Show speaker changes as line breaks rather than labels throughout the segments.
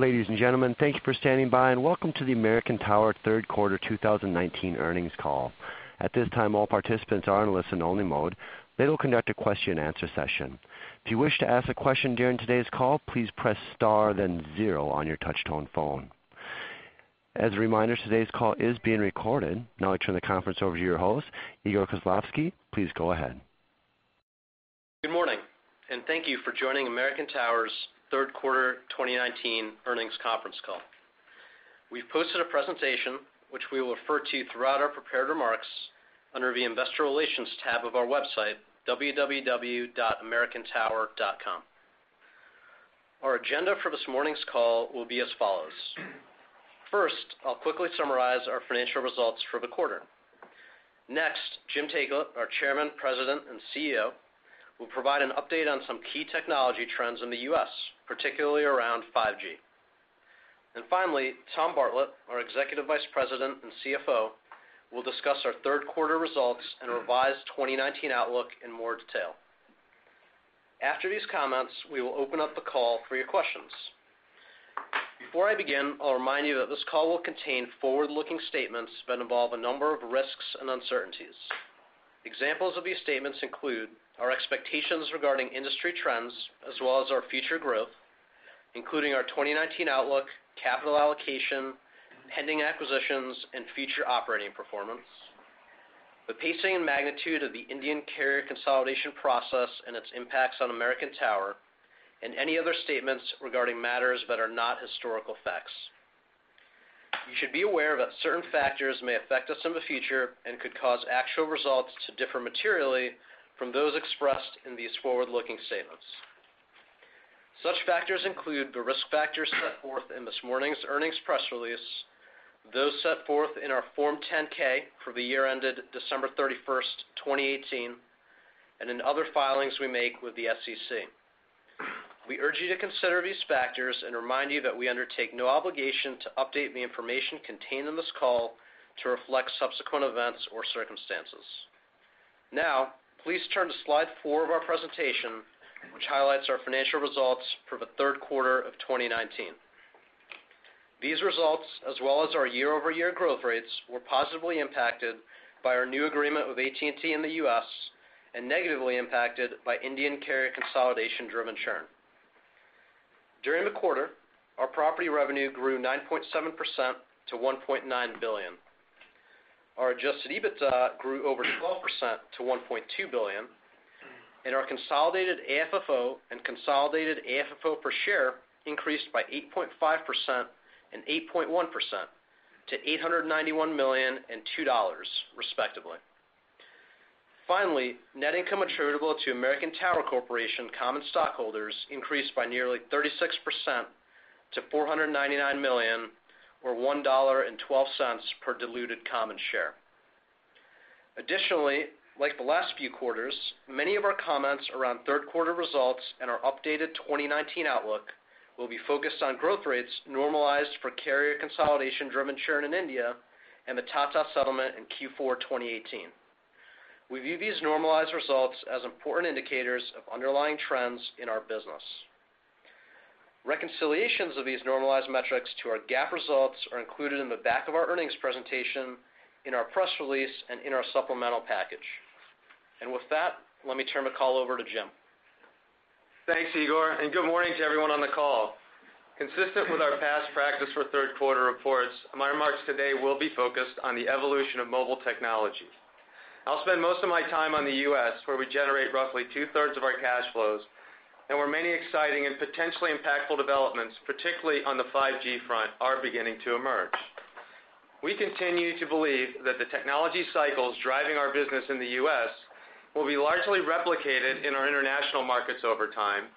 Ladies and gentlemen, thank you for standing by, and welcome to the American Tower Third Quarter 2019 Earnings Call. At this time, all participants are in listen only mode. We'll conduct a question and answer session. If you wish to ask a question during today's call, please press star then zero on your touch-tone phone. As a reminder, today's call is being recorded. I turn the conference over to your host, Igor Khislavsky. Please go ahead.
Good morning, and thank you for joining American Tower's Third Quarter 2019 Earnings Conference Call. We've posted a presentation, which we will refer to throughout our prepared remarks, under the investor relations tab of our website, www.americantower.com. Our agenda for this morning's call will be as follows. First, I'll quickly summarize our financial results for the quarter. Next, Jim Taiclet, our Chairman, President, and CEO, will provide an update on some key technology trends in the U.S., particularly around 5G. Finally, Tom Bartlett, our Executive Vice President and CFO, will discuss our third quarter results and revised 2019 outlook in more detail. After these comments, we will open up the call for your questions. Before I begin, I'll remind you that this call will contain forward-looking statements that involve a number of risks and uncertainties. Examples of these statements include our expectations regarding industry trends as well as our future growth, including our 2019 outlook, capital allocation, pending acquisitions, and future operating performance, the pacing and magnitude of the Indian carrier consolidation process and its impacts on American Tower, and any other statements regarding matters that are not historical facts. You should be aware that certain factors may affect us in the future and could cause actual results to differ materially from those expressed in these forward-looking statements. Such factors include the risk factors set forth in this morning's earnings press release, those set forth in our Form 10-K for the year ended December 31st, 2018, and in other filings we make with the SEC. We urge you to consider these factors and remind you that we undertake no obligation to update the information contained in this call to reflect subsequent events or circumstances. Now, please turn to slide four of our presentation, which highlights our financial results for the third quarter of 2019. These results, as well as our year-over-year growth rates, were positively impacted by our new agreement with AT&T in the U.S. and negatively impacted by Indian carrier consolidation-driven churn. During the quarter, our property revenue grew 9.7% to $1.9 billion. Our Adjusted EBITDA grew over 12% to $1.2 billion, and our consolidated AFFO and consolidated AFFO per share increased by 8.5% and 8.1% to $891 million and $2 respectively. Finally, net income attributable to American Tower Corporation common stockholders increased by nearly 36% to $499 million, or $1.12 per diluted common share. Like the last few quarters, many of our comments around third quarter results and our updated 2019 outlook will be focused on growth rates normalized for carrier consolidation-driven churn in India and the Tata settlement in Q4 2018. We view these normalized results as important indicators of underlying trends in our business. Reconciliations of these normalized metrics to our GAAP results are included in the back of our earnings presentation, in our press release, and in our supplemental package. With that, let me turn the call over to Jim.
Thanks, Igor, good morning to everyone on the call. Consistent with our past practice for third quarter reports, my remarks today will be focused on the evolution of mobile technology. I'll spend most of my time on the U.S., where we generate roughly two-thirds of our cash flows and where many exciting and potentially impactful developments, particularly on the 5G front, are beginning to emerge. We continue to believe that the technology cycles driving our business in the U.S. will be largely replicated in our international markets over time,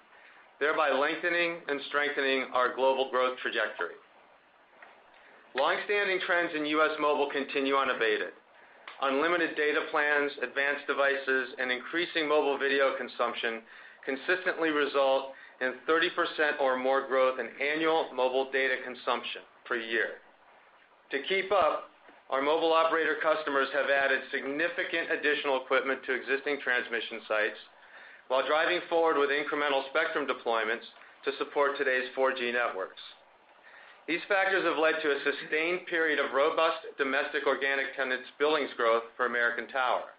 thereby lengthening and strengthening our global growth trajectory. Long-standing trends in U.S. mobile continue unabated. Unlimited data plans, advanced devices, and increasing mobile video consumption consistently result in 30% or more growth in annual mobile data consumption per year. To keep up, our mobile operator customers have added significant additional equipment to existing transmission sites while driving forward with incremental spectrum deployments to support today's 4G networks. These factors have led to a sustained period of robust domestic organic tenants' billings growth for American Tower.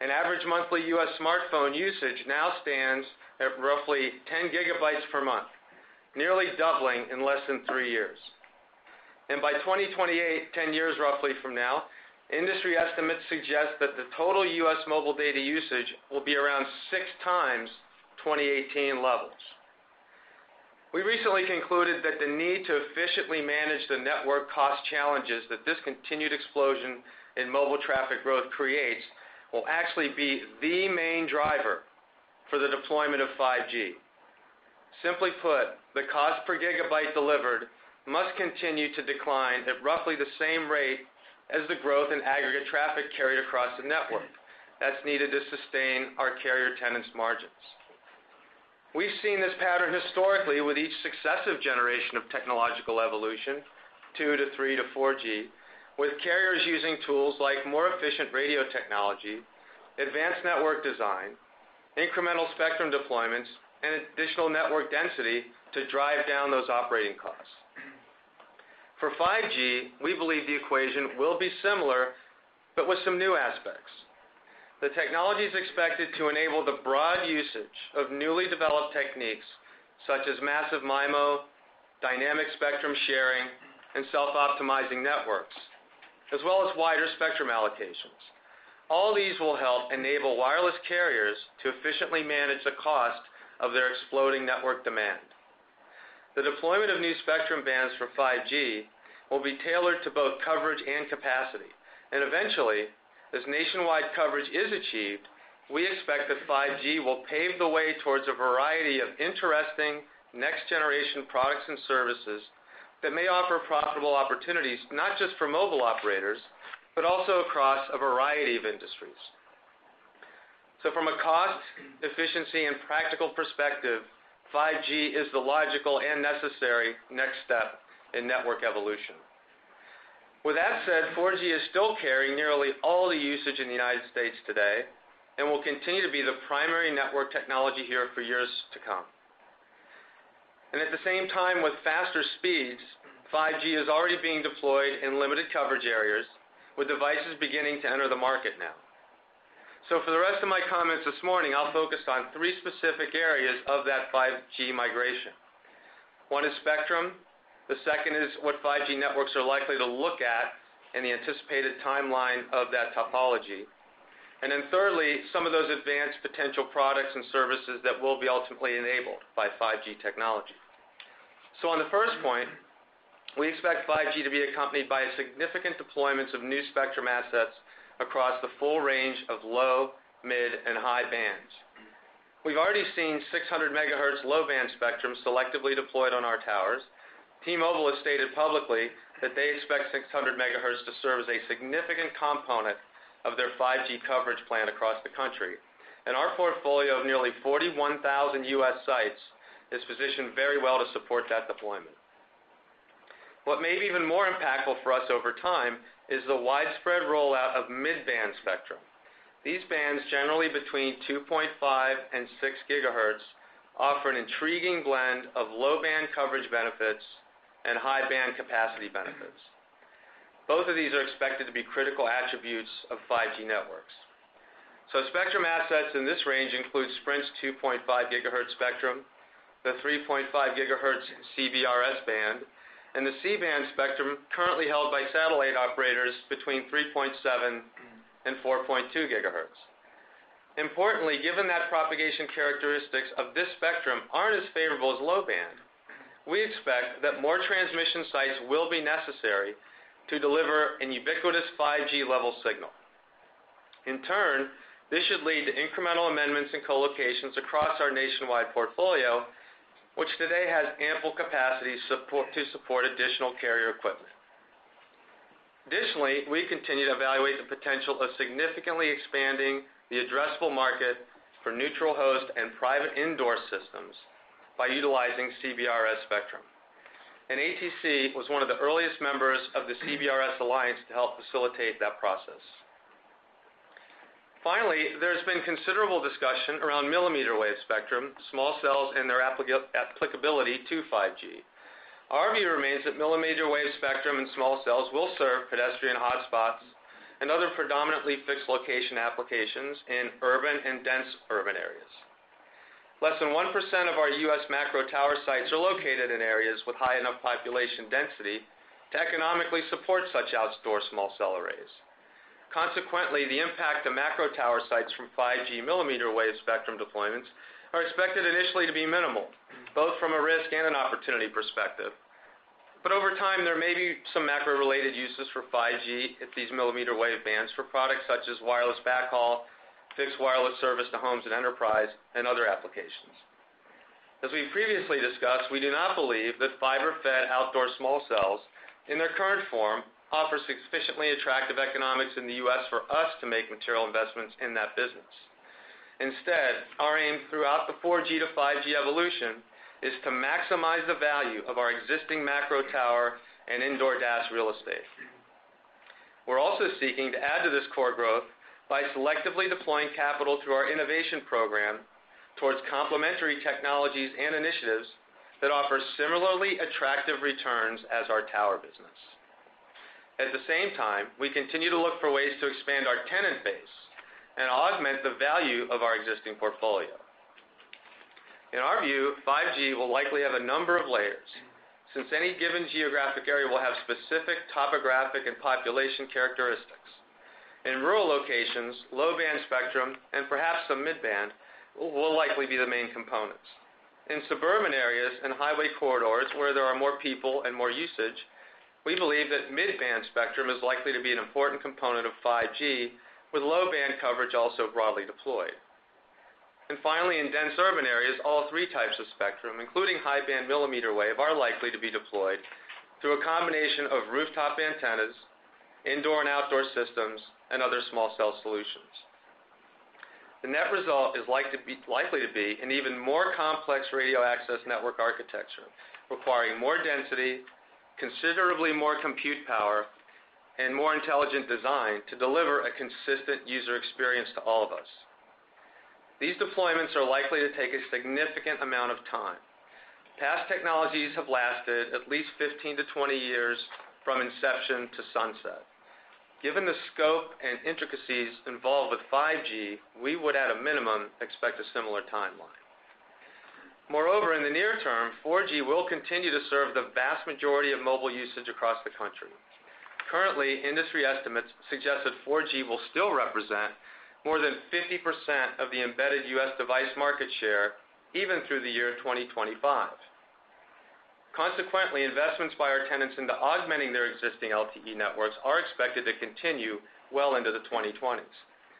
An average monthly U.S. smartphone usage now stands at roughly 10 gigabytes per month, nearly doubling in less than three years. By 2028, 10 years roughly from now, industry estimates suggest that the total U.S. mobile data usage will be around six times 2018 levels. We recently concluded that the need to efficiently manage the network cost challenges that this continued explosion in mobile traffic growth creates will actually be the main driver for the deployment of 5G. Simply put, the cost per gigabyte delivered must continue to decline at roughly the same rate as the growth in aggregate traffic carried across the network that's needed to sustain our carrier tenants' margin. We've seen this pattern historically with each successive generation of technological evolution, 2G to 3G to 4G, with carriers using tools like more efficient radio technology, advanced network design, incremental spectrum deployments, and additional network density to drive down those operating costs. For 5G, we believe the equation will be similar, but with some new aspects. The technology is expected to enable the broad usage of newly developed techniques, such as massive MIMO, dynamic spectrum sharing, and self-optimizing networks, as well as wider spectrum allocations. All these will help enable wireless carriers to efficiently manage the cost of their exploding network demand. The deployment of new spectrum bands for 5G will be tailored to both coverage and capacity. Eventually, as nationwide coverage is achieved, we expect that 5G will pave the way towards a variety of interesting next-generation products and services that may offer profitable opportunities, not just for mobile operators, but also across a variety of industries. From a cost, efficiency, and practical perspective, 5G is the logical and necessary next step in network evolution. With that said, 4G is still carrying nearly all the usage in the United States today and will continue to be the primary network technology here for years to come. At the same time, with faster speeds, 5G is already being deployed in limited coverage areas, with devices beginning to enter the market now. For the rest of my comments this morning, I'll focus on three specific areas of that 5G migration. One is spectrum, the second is what 5G networks are likely to look at and the anticipated timeline of that topology, and then thirdly, some of those advanced potential products and services that will be ultimately enabled by 5G technology. On the first point, we expect 5G to be accompanied by significant deployments of new spectrum assets across the full range of low, mid, and high bands. We've already seen 600 MHz low-band spectrum selectively deployed on our towers. T-Mobile has stated publicly that they expect 600 MHz to serve as a significant component of their 5G coverage plan across the country, and our portfolio of nearly 41,000 U.S. sites is positioned very well to support that deployment. What may be even more impactful for us over time is the widespread rollout of mid-band spectrum. These bands, generally between 2.5 and 6 GHz, offer an intriguing blend of low-band coverage benefits and high-band capacity benefits. Both of these are expected to be critical attributes of 5G networks. Spectrum assets in this range includes Sprint's 2.5 GHz spectrum, the 3.5 GHz CBRS band, and the C-band spectrum currently held by satellite operators between 3.7 and 4.2 GHz. Importantly, given that propagation characteristics of this spectrum aren't as favorable as low band, we expect that more transmission sites will be necessary to deliver a ubiquitous 5G-level signal. In turn, this should lead to incremental amendments and co-locations across our nationwide portfolio, which today has ample capacity to support additional carrier equipment. Additionally, we continue to evaluate the potential of significantly expanding the addressable market for neutral host and private indoor systems by utilizing CBRS spectrum. ATC was one of the earliest members of the CBRS Alliance to help facilitate that process. Finally, there's been considerable discussion around millimeter wave spectrum, small cells, and their applicability to 5G. Our view remains that millimeter wave spectrum and small cells will serve pedestrian hotspots and other predominantly fixed location applications in urban and dense urban areas. Less than 1% of our U.S. macro tower sites are located in areas with high enough population density to economically support such outdoor small cell arrays. Consequently, the impact to macro tower sites from 5G millimeter wave spectrum deployments are expected initially to be minimal, both from a risk and an opportunity perspective. Over time, there may be some macro-related uses for 5G at these millimeter wave bands for products such as wireless backhaul, fixed wireless service to homes and enterprise, and other applications. As we've previously discussed, we do not believe that fiber-fed outdoor small cells, in their current form, offer sufficiently attractive economics in the U.S. for us to make material investments in that business. Instead, our aim throughout the 4G to 5G evolution is to maximize the value of our existing macro tower and indoor DAS real estate. We're also seeking to add to this core growth by selectively deploying capital through our innovation program towards complementary technologies and initiatives that offer similarly attractive returns as our tower business. At the same time, we continue to look for ways to expand our tenant base and augment the value of our existing portfolio. In our view, 5G will likely have a number of layers, since any given geographic area will have specific topographic and population characteristics. In rural locations, low-band spectrum, and perhaps some mid-band, will likely be the main components. In suburban areas and highway corridors where there are more people and more usage, we believe that mid-band spectrum is likely to be an important component of 5G, with low-band coverage also broadly deployed. Finally, in dense urban areas, all three types of spectrum, including high-band millimeter wave, are likely to be deployed through a combination of rooftop antennas, indoor and outdoor systems and other small cell solutions. The net result is likely to be an even more complex radio access network architecture requiring more density, considerably more compute power, and more intelligent design to deliver a consistent user experience to all of us. These deployments are likely to take a significant amount of time. Past technologies have lasted at least 15-20 years from inception to sunset. Given the scope and intricacies involved with 5G, we would, at a minimum, expect a similar timeline. Moreover, in the near term, 4G will continue to serve the vast majority of mobile usage across the country. Currently, industry estimates suggest that 4G will still represent more than 50% of the embedded U.S. device market share even through the year 2025. Consequently, investments by our tenants into augmenting their existing LTE networks are expected to continue well into the 2020s,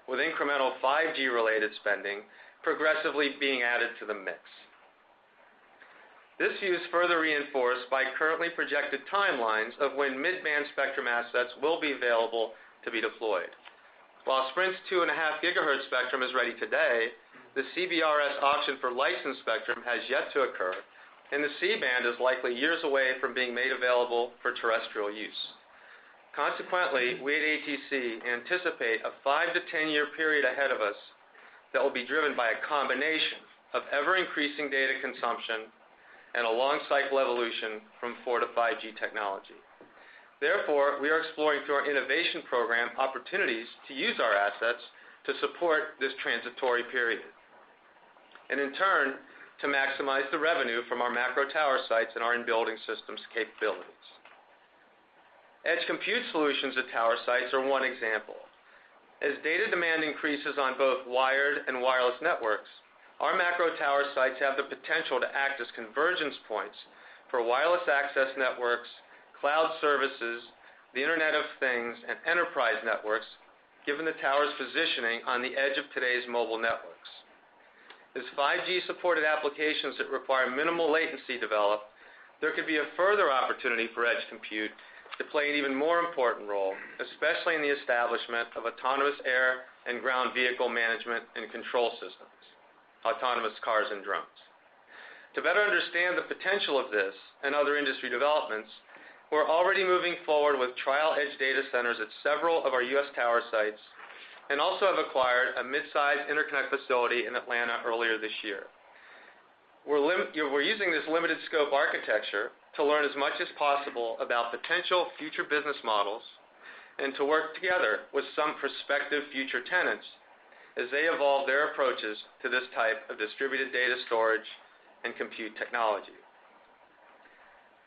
with incremental 5G-related spending progressively being added to the mix. This view is further reinforced by currently projected timelines of when mid-band spectrum assets will be available to be deployed. While Sprint's 2.5 gigahertz spectrum is ready today, the CBRS auction for licensed spectrum has yet to occur, and the C-band is likely years away from being made available for terrestrial use. Consequently, we at ATC anticipate a 5 to 10-year period ahead of us that will be driven by a combination of ever-increasing data consumption and a long cycle evolution from 4G to 5G technology. Therefore, we are exploring through our innovation program opportunities to use our assets to support this transitory period and, in turn, to maximize the revenue from our macro tower sites and our in-building systems capabilities. edge compute solutions at tower sites are one example. As data demand increases on both wired and wireless networks, our macro tower sites have the potential to act as convergence points for wireless access networks, cloud services, the Internet of Things, and enterprise networks, given the tower's positioning on the edge of today's mobile networks. As 5G-supported applications that require minimal latency develop, there could be a further opportunity for edge compute to play an even more important role, especially in the establishment of autonomous air and ground vehicle management and control systems, autonomous cars, and drones. To better understand the potential of this and other industry developments, we're already moving forward with trial edge data centers at several of our U.S. tower sites and also have acquired a mid-size interconnect facility in Atlanta earlier this year. We're using this limited scope architecture to learn as much as possible about potential future business models and to work together with some prospective future tenants as they evolve their approaches to this type of distributed data storage and compute technology.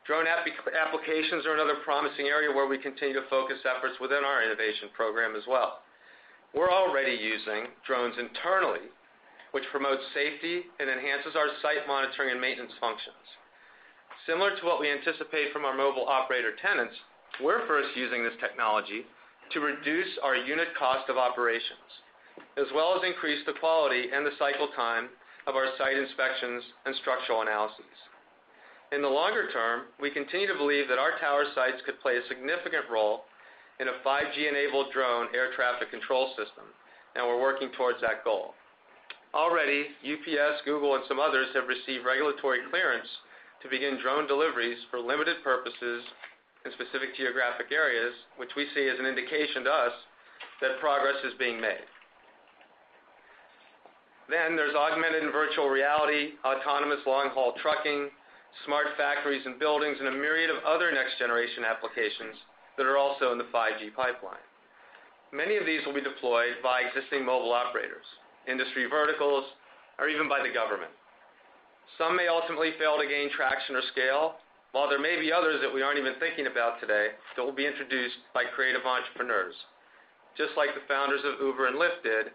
Drone applications are another promising area where we continue to focus efforts within our innovation program as well. We're already using drones internally, which promotes safety and enhances our site monitoring and maintenance functions. Similar to what we anticipate from our mobile operator tenants, we're first using this technology to reduce our unit cost of operations as well as increase the quality and the cycle time of our site inspections and structural analyses. In the longer term, we continue to believe that our tower sites could play a significant role in a 5G-enabled drone air traffic control system, and we're working towards that goal. Already, UPS, Google, and some others have received regulatory clearance to begin drone deliveries for limited purposes in specific geographic areas, which we see as an indication to us that progress is being made. There's augmented and virtual reality, autonomous long-haul trucking, smart factories and buildings, and a myriad of other next-generation applications that are also in the 5G pipeline. Many of these will be deployed by existing mobile operators, industry verticals, or even by the government. Some may ultimately fail to gain traction or scale, while there may be others that we aren't even thinking about today that will be introduced by creative entrepreneurs, just like the founders of Uber and Lyft did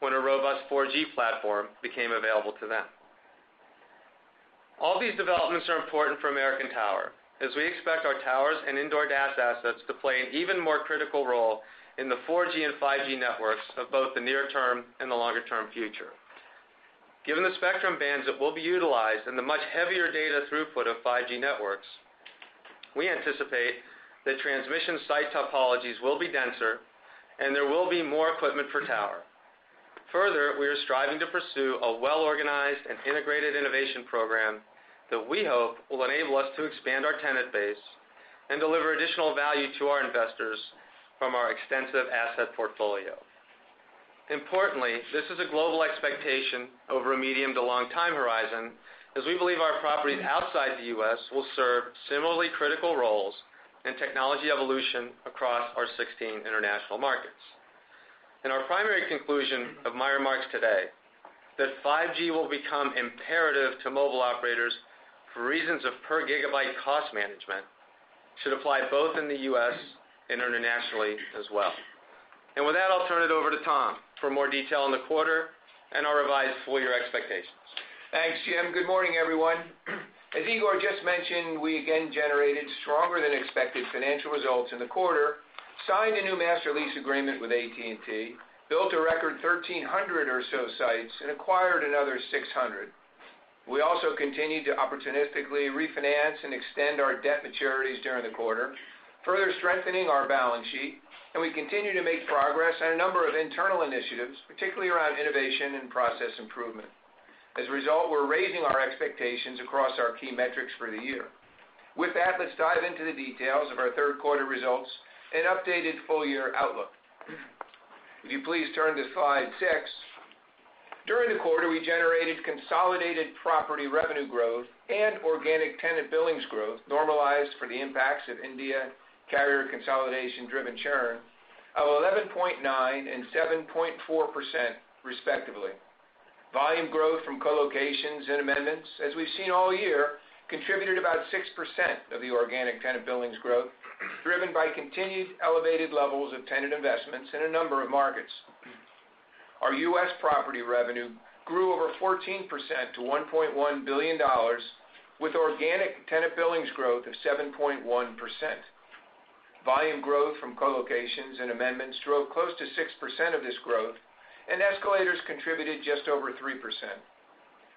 when a robust 4G platform became available to them. All these developments are important for American Tower as we expect our towers and indoor DAS assets to play an even more critical role in the 4G and 5G networks of both the near term and the longer-term future. Given the spectrum bands that will be utilized and the much heavier data throughput of 5G networks, we anticipate that transmission site topologies will be denser, and there will be more equipment per tower. Further, we are striving to pursue a well-organized and integrated innovation program that we hope will enable us to expand our tenant base and deliver additional value to our investors from our extensive asset portfolio. Importantly, this is a global expectation over a medium to long time horizon, as we believe our properties outside the U.S. will serve similarly critical roles in technology evolution across our 16 international markets. Our primary conclusion of my remarks today, that 5G will become imperative to mobile operators for reasons of per gigabyte cost management should apply both in the U.S. and internationally as well. With that, I'll turn it over to Tom for more detail on the quarter and our revised full-year expectations.
Thanks, Jim. Good morning, everyone. As Igor just mentioned, we again generated stronger than expected financial results in the quarter, signed a new master lease agreement with AT&T, built a record 1,300 or so sites, and acquired another 600. We also continued to opportunistically refinance and extend our debt maturities during the quarter, further strengthening our balance sheet, and we continue to make progress on a number of internal initiatives, particularly around innovation and process improvement. We're raising our expectations across our key metrics for the year. With that, let's dive into the details of our third quarter results and updated full year outlook. If you please turn to slide six. During the quarter, we generated consolidated property revenue growth and organic tenant billings growth, normalized for the impacts of India carrier consolidation-driven churn of 11.9 and 7.4% respectively. Volume growth from co-locations and amendments, as we've seen all year, contributed about 6% of the organic tenant billings growth, driven by continued elevated levels of tenant investments in a number of markets. Our U.S. property revenue grew over 14% to $1.1 billion, with organic tenant billings growth of 7.1%. Volume growth from co-locations and amendments drove close to 6% of this growth, and escalators contributed just over 3%.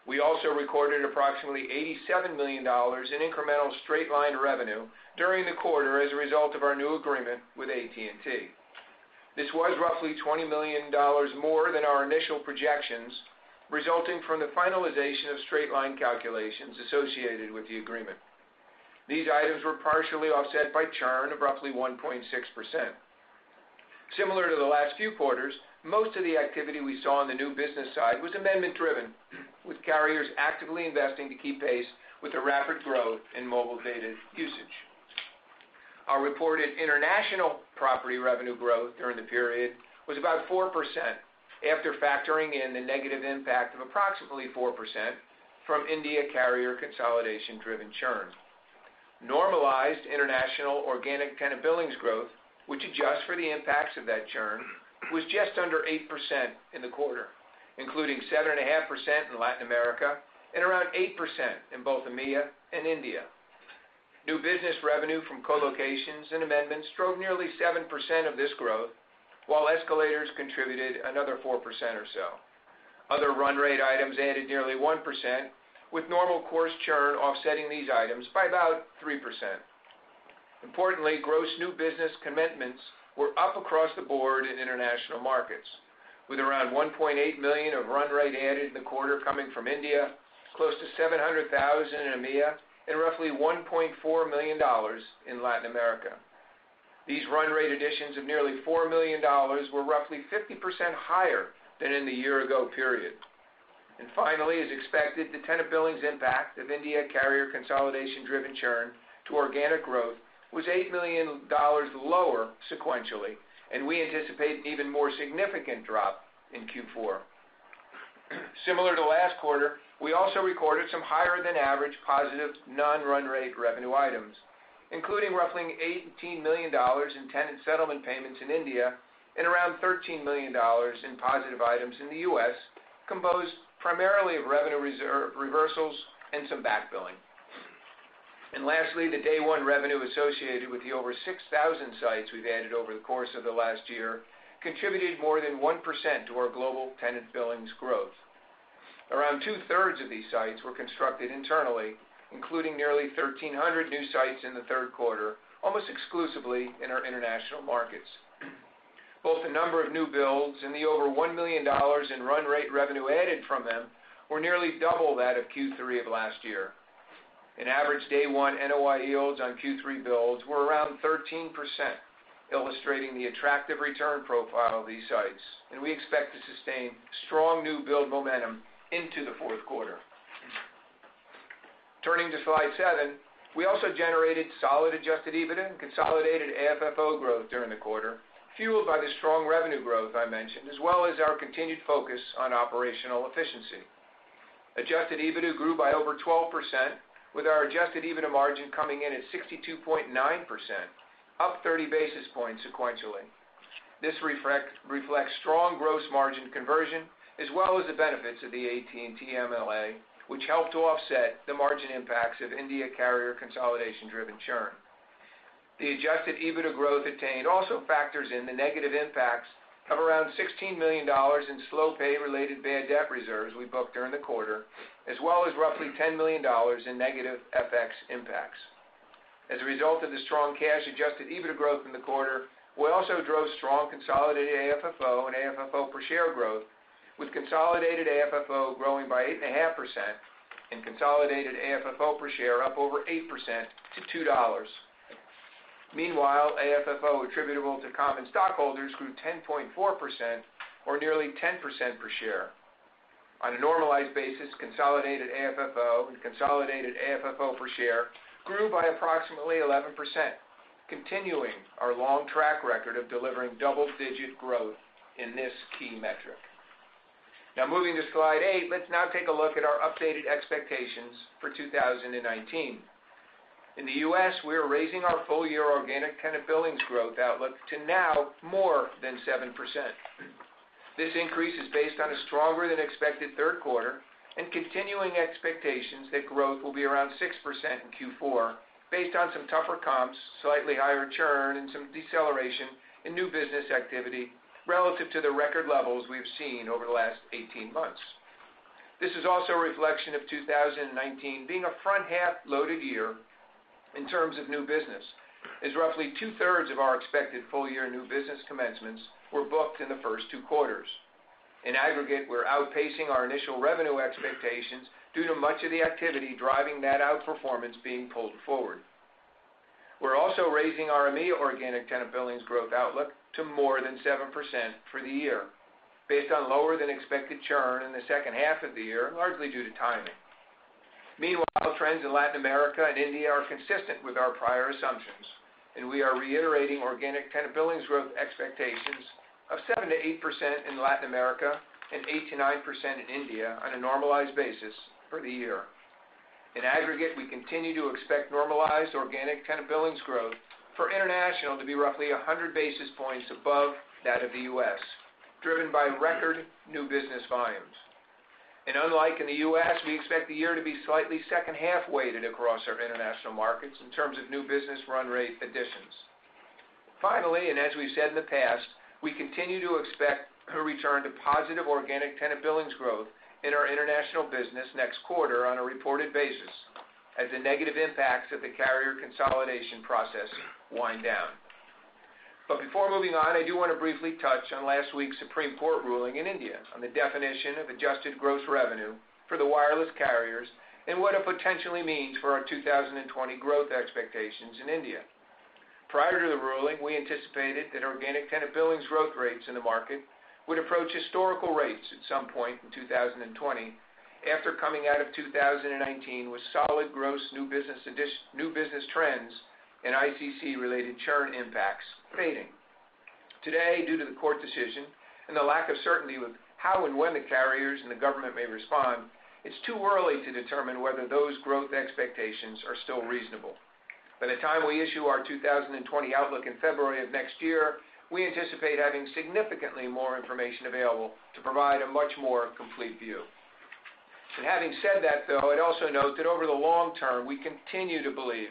We also recorded approximately $87 million in incremental straight-line revenue during the quarter as a result of our new agreement with AT&T. This was roughly $20 million more than our initial projections, resulting from the finalization of straight-line calculations associated with the agreement. These items were partially offset by churn of roughly 1.6%. Similar to the last few quarters, most of the activity we saw on the new business side was amendment driven, with carriers actively investing to keep pace with the rapid growth in mobile data usage. Our reported international property revenue growth during the period was about 4% after factoring in the negative impact of approximately 4% from India carrier consolidation-driven churn. Normalized international organic tenant billings growth, which adjusts for the impacts of that churn, was just under 8% in the quarter, including 7.5% in Latin America and around 8% in both EMEA and India. New business revenue from co-locations and amendments drove nearly 7% of this growth, while escalators contributed another 4% or so. Other run rate items added nearly 1%, with normal course churn offsetting these items by about 3%. Importantly, gross new business commitments were up across the board in international markets, with around $1.8 million of run rate added in the quarter coming from India, close to $700,000 in EMEA, and roughly $1.4 million in Latin America. These run rate additions of nearly $4 million were roughly 50% higher than in the year-ago period. Finally, as expected, the tenant billings impact of India carrier consolidation-driven churn to organic growth was $8 million lower sequentially, and we anticipate an even more significant drop in Q4. Similar to last quarter, we also recorded some higher than average positive non-run rate revenue items, including roughly $18 million in tenant settlement payments in India and around $13 million in positive items in the U.S., composed primarily of revenue reserve reversals and some backfilling. Lastly, the day one revenue associated with the over 6,000 sites we’ve added over the course of the last year contributed more than 1% to our global tenant billings growth. Around two-thirds of these sites were constructed internally, including nearly 1,300 new sites in the third quarter, almost exclusively in our international markets. Both the number of new builds and the over $1 million in run rate revenue added from them were nearly double that of Q3 of last year. Average day one NOI yields on Q3 builds were around 13%, illustrating the attractive return profile of these sites, and we expect to sustain strong new build momentum into the fourth quarter. Turning to slide seven. We also generated solid Adjusted EBITDA and consolidated AFFO growth during the quarter, fueled by the strong revenue growth I mentioned, as well as our continued focus on operational efficiency. Adjusted EBITDA grew by over 12%, with our Adjusted EBITDA margin coming in at 62.9%, up 30 basis points sequentially. This reflects strong gross margin conversion, as well as the benefits of the AT&T MLA, which helped to offset the margin impacts of India carrier consolidation-driven churn. The Adjusted EBITDA growth attained also factors in the negative impacts of around $16 million in slow pay-related bad debt reserves we booked during the quarter, as well as roughly $10 million in negative FX impacts. As a result of the strong cash Adjusted EBITDA growth in the quarter, we also drove strong consolidated AFFO and AFFO per share growth, with consolidated AFFO growing by 8.5% and consolidated AFFO per share up over 8% to $2. Meanwhile, AFFO attributable to common stockholders grew 10.4%, or nearly 10% per share. On a normalized basis, consolidated AFFO and consolidated AFFO per share grew by approximately 11%, continuing our long track record of delivering double-digit growth in this key metric. Moving to slide eight, let's now take a look at our updated expectations for 2019. In the U.S., we are raising our full year organic tenant billings growth outlook to now more than 7%. This increase is based on a stronger than expected third quarter and continuing expectations that growth will be around 6% in Q4 based on some tougher comps, slightly higher churn, and some deceleration in new business activity relative to the record levels we have seen over the last 18 months. This is also a reflection of 2019 being a front-half-loaded year in terms of new business, as roughly two-thirds of our expected full-year new business commencements were booked in the first two quarters. In aggregate, we're outpacing our initial revenue expectations due to much of the activity driving that outperformance being pulled forward. We're also raising our EMEA organic tenant billings growth outlook to more than 7% for the year, based on lower-than-expected churn in the second half of the year, largely due to timing. Meanwhile, trends in Latin America and India are consistent with our prior assumptions, and we are reiterating organic tenant billings growth expectations of 7%-8% in Latin America and 8%-9% in India on a normalized basis for the year. In aggregate, we continue to expect normalized organic tenant billings growth for international to be roughly 100 basis points above that of the U.S., driven by record new business volumes. Unlike in the U.S., we expect the year to be slightly second-half weighted across our international markets in terms of new business run rate additions. Finally, and as we've said in the past, we continue to expect a return to positive organic tenant billings growth in our international business next quarter on a reported basis as the negative impacts of the carrier consolidation process wind down. Before moving on, I do want to briefly touch on last week's Supreme Court ruling in India on the definition of Adjusted Gross Revenue for the wireless carriers and what it potentially means for our 2020 growth expectations in India. Prior to the ruling, we anticipated that organic tenant billings growth rates in the market would approach historical rates at some point in 2020 after coming out of 2019 with solid gross new business trends and ICC-related churn impacts fading. Today, due to the court decision and the lack of certainty with how and when the carriers and the government may respond, it's too early to determine whether those growth expectations are still reasonable. By the time we issue our 2020 outlook in February of next year, we anticipate having significantly more information available to provide a much more complete view. Having said that, though, I'd also note that over the long term, we continue to believe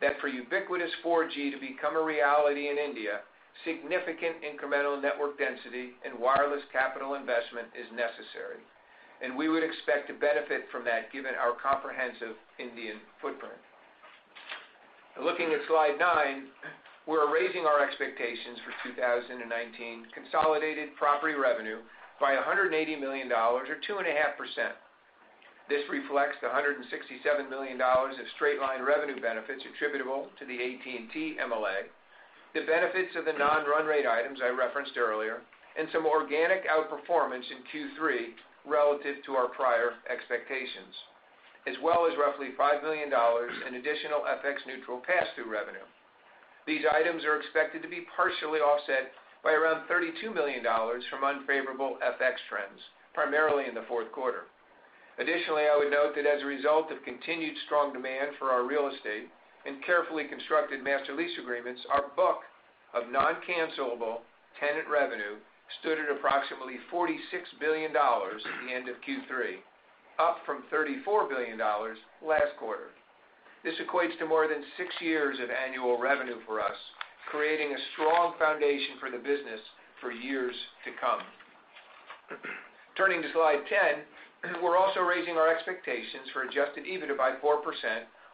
that for ubiquitous 4G to become a reality in India, significant incremental network density and wireless capital investment is necessary, and we would expect to benefit from that given our comprehensive Indian footprint. Looking at slide nine, we're raising our expectations for 2019 consolidated property revenue by $180 million or 2.5%. This reflects the $167 million of straight-line revenue benefits attributable to the AT&T MLA, the benefits of the non-run rate items I referenced earlier, and some organic outperformance in Q3 relative to our prior expectations, as well as roughly $5 million in additional FX-neutral pass-through revenue. These items are expected to be partially offset by around $32 million from unfavorable FX trends, primarily in the fourth quarter. Additionally, I would note that as a result of continued strong demand for our real estate and carefully constructed master lease agreements, our book of non-cancelable tenant revenue stood at approximately $46 billion at the end of Q3, up from $34 billion last quarter. This equates to more than six years of annual revenue for us, creating a strong foundation for the business for years to come. Turning to slide 10, we're also raising our expectations for Adjusted EBITDA by 4%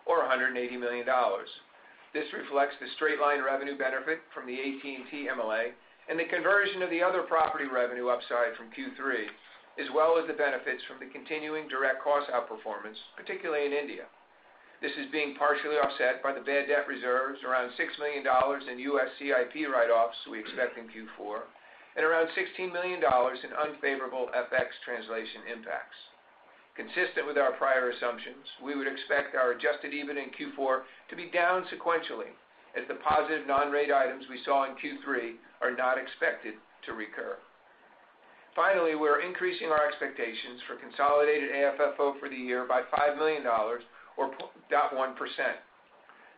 or $180 million. This reflects the straight-line revenue benefit from the AT&T MLA and the conversion of the other property revenue upside from Q3, as well as the benefits from the continuing direct cost outperformance, particularly in India. This is being partially offset by the bad debt reserves, around $6 million in U.S. CIP write-offs we expect in Q4, and around $16 million in unfavorable FX translation impacts. Consistent with our prior assumptions, we would expect our Adjusted EBIT in Q4 to be down sequentially as the positive non-rate items we saw in Q3 are not expected to recur. We're increasing our expectations for consolidated AFFO for the year by $5 million or 0.1%.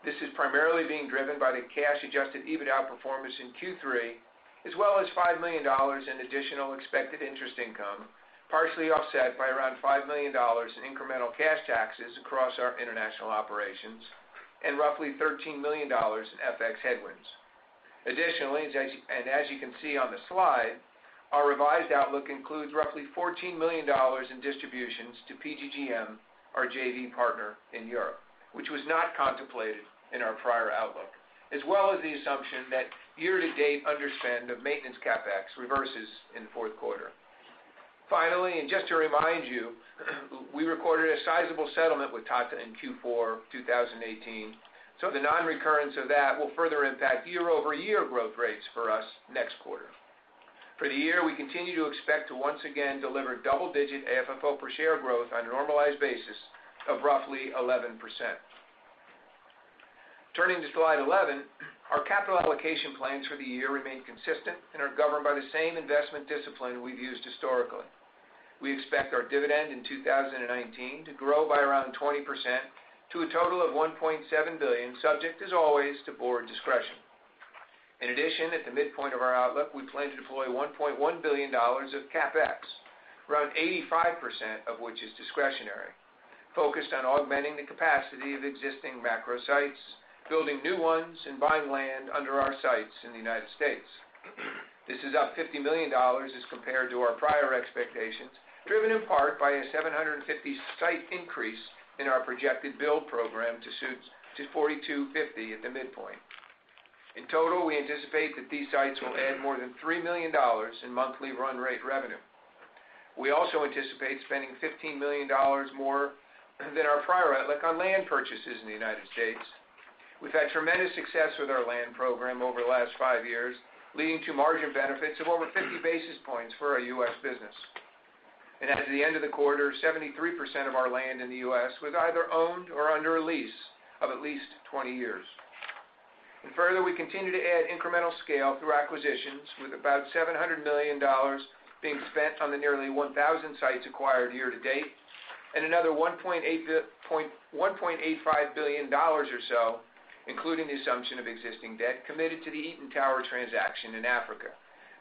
This is primarily being driven by the cash Adjusted EBITDA outperformance in Q3, as well as $5 million in additional expected interest income, partially offset by around $5 million in incremental cash taxes across our international operations and roughly $13 million in FX headwinds. Additionally, and as you can see on the slide, our revised outlook includes roughly $14 million in distributions to PGGM, our JV partner in Europe, which was not contemplated in our prior outlook, as well as the assumption that year-to-date underspend of maintenance CapEx reverses in the fourth quarter. Finally, and just to remind you, we recorded a sizable settlement with Tata in Q4 2018. The non-recurrence of that will further impact year-over-year growth rates for us next quarter. For the year, we continue to expect to once again deliver double-digit AFFO-per-share growth on a normalized basis of roughly 11%. Turning to slide 11, our capital allocation plans for the year remain consistent and are governed by the same investment discipline we've used historically. We expect our dividend in 2019 to grow by around 20% to a total of $1.7 billion, subject as always to board discretion. In addition, at the midpoint of our outlook, we plan to deploy $1.1 billion of CapEx, around 85% of which is discretionary. Focused on augmenting the capacity of existing macro sites, building new ones, and buying land under our sites in the United States. This is up $50 million as compared to our prior expectations, driven in part by a 750 site increase in our projected build program to 4,250 at the midpoint. In total, we anticipate that these sites will add more than $3 million in monthly run rate revenue. We also anticipate spending $15 million more than our prior outlook on land purchases in the U.S. We've had tremendous success with our land program over the last five years, leading to margin benefits of over 50 basis points for our U.S. business. As of the end of the quarter, 73% of our land in the U.S. was either owned or under a lease of at least 20 years. Further, we continue to add incremental scale through acquisitions, with about $700 million being spent on the nearly 1,000 sites acquired year to date, and another $1.85 billion or so, including the assumption of existing debt committed to the Eaton Towers transaction in Africa,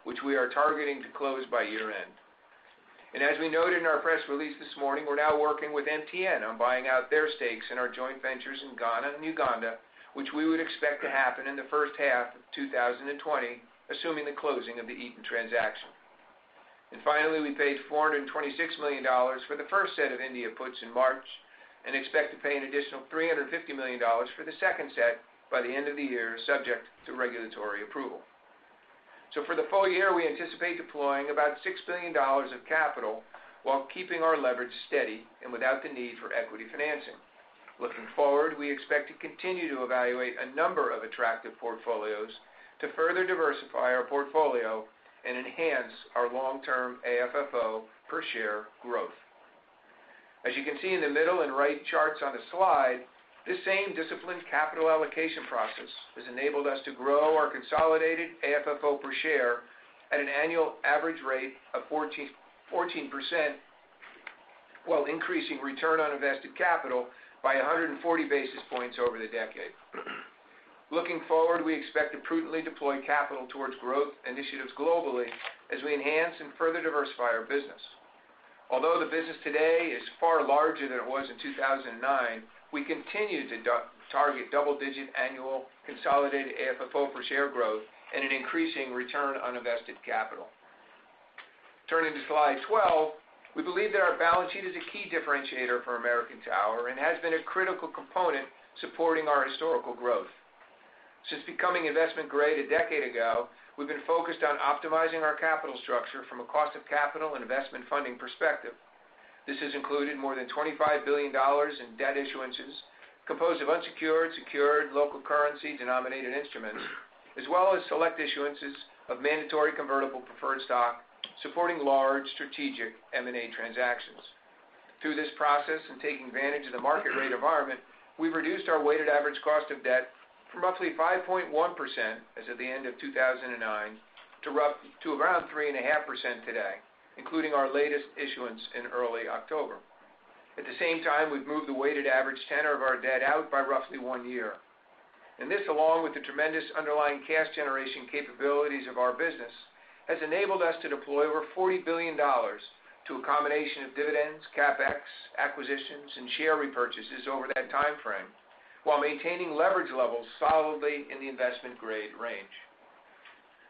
which we are targeting to close by year-end. As we noted in our press release this morning, we're now working with MTN on buying out their stakes in our joint ventures in Ghana and Uganda, which we would expect to happen in the first half of 2020, assuming the closing of the Eaton transaction. Finally, we paid $426 million for the first set of India puts in March and expect to pay an additional $350 million for the second set by the end of the year, subject to regulatory approval. For the full year, we anticipate deploying about $6 billion of capital while keeping our leverage steady and without the need for equity financing. Looking forward, we expect to continue to evaluate a number of attractive portfolios to further diversify our portfolio and enhance our long-term AFFO per share growth. As you can see in the middle and right charts on the slide, this same disciplined capital allocation process has enabled us to grow our consolidated AFFO per share at an annual average rate of 14%, while increasing return on invested capital by 140 basis points over the decade. Looking forward, we expect to prudently deploy capital towards growth initiatives globally as we enhance and further diversify our business. Although the business today is far larger than it was in 2009, we continue to target double-digit annual consolidated AFFO per share growth and an increasing return on invested capital. Turning to slide 12. We believe that our balance sheet is a key differentiator for American Tower and has been a critical component supporting our historical growth. Since becoming investment-grade a decade ago, we've been focused on optimizing our capital structure from a cost of capital and investment funding perspective. This has included more than $25 billion in debt issuances composed of unsecured, secured, local currency-denominated instruments, as well as select issuances of mandatory convertible preferred stock supporting large strategic M&A transactions. Through this process and taking advantage of the market rate environment, we've reduced our weighted average cost of debt from roughly 5.1% as of the end of 2009, to around 3.5% today, including our latest issuance in early October. At the same time, we've moved the weighted average tenor of our debt out by roughly one year. This, along with the tremendous underlying cash generation capabilities of our business, has enabled us to deploy over $40 billion to a combination of dividends, CapEx, acquisitions, and share repurchases over that timeframe while maintaining leverage levels solidly in the investment-grade range.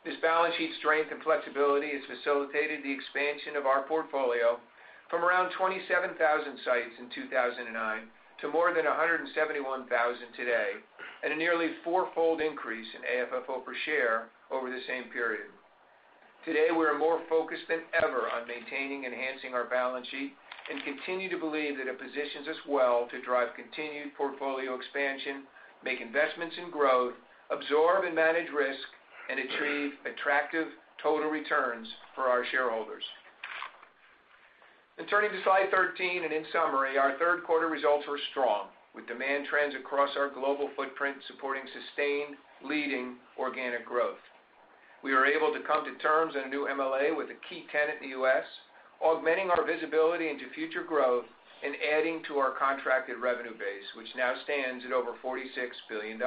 This balance sheet strength and flexibility has facilitated the expansion of our portfolio from around 27,000 sites in 2009 to more than 171,000 today, and a nearly four-fold increase in AFFO per share over the same period. Today, we're more focused than ever on maintaining enhancing our balance sheet and continue to believe that it positions us well to drive continued portfolio expansion, make investments in growth, absorb and manage risk, and achieve attractive total returns for our shareholders. Turning to slide 13, in summary, our third quarter results were strong, with demand trends across our global footprint supporting sustained leading organic growth. We were able to come to terms on a new MLA with a key tenant in the U.S., augmenting our visibility into future growth and adding to our contracted revenue base, which now stands at over $46 billion.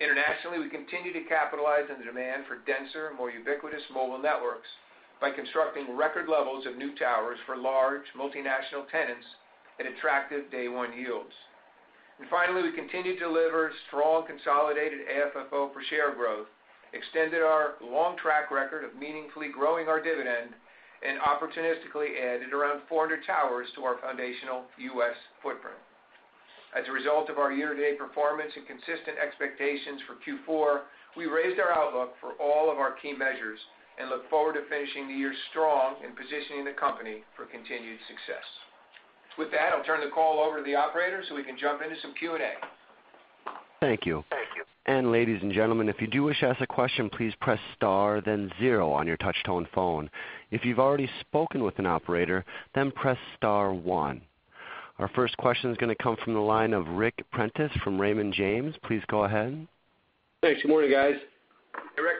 Internationally, we continue to capitalize on the demand for denser, more ubiquitous mobile networks by constructing record levels of new towers for large multinational tenants at attractive day one yields. Finally, we continued to deliver strong consolidated AFFO per share growth, extended our long track record of meaningfully growing our dividend, and opportunistically added around 400 towers to our foundational U.S. footprint. As a result of our year-to-date performance and consistent expectations for Q4, we raised our outlook for all of our key measures and look forward to finishing the year strong and positioning the company for continued success. With that, I'll turn the call over to the operator so we can jump into some Q&A.
Thank you.
Thank you.
Ladies and gentlemen, if you do wish to ask a question, please press star then zero on your touch-tone phone. If you've already spoken with an operator, then press star one. Our first question is going to come from the line of Ric Prentiss from Raymond James. Please go ahead.
Thanks. Good morning, guys.
Hey, Ric.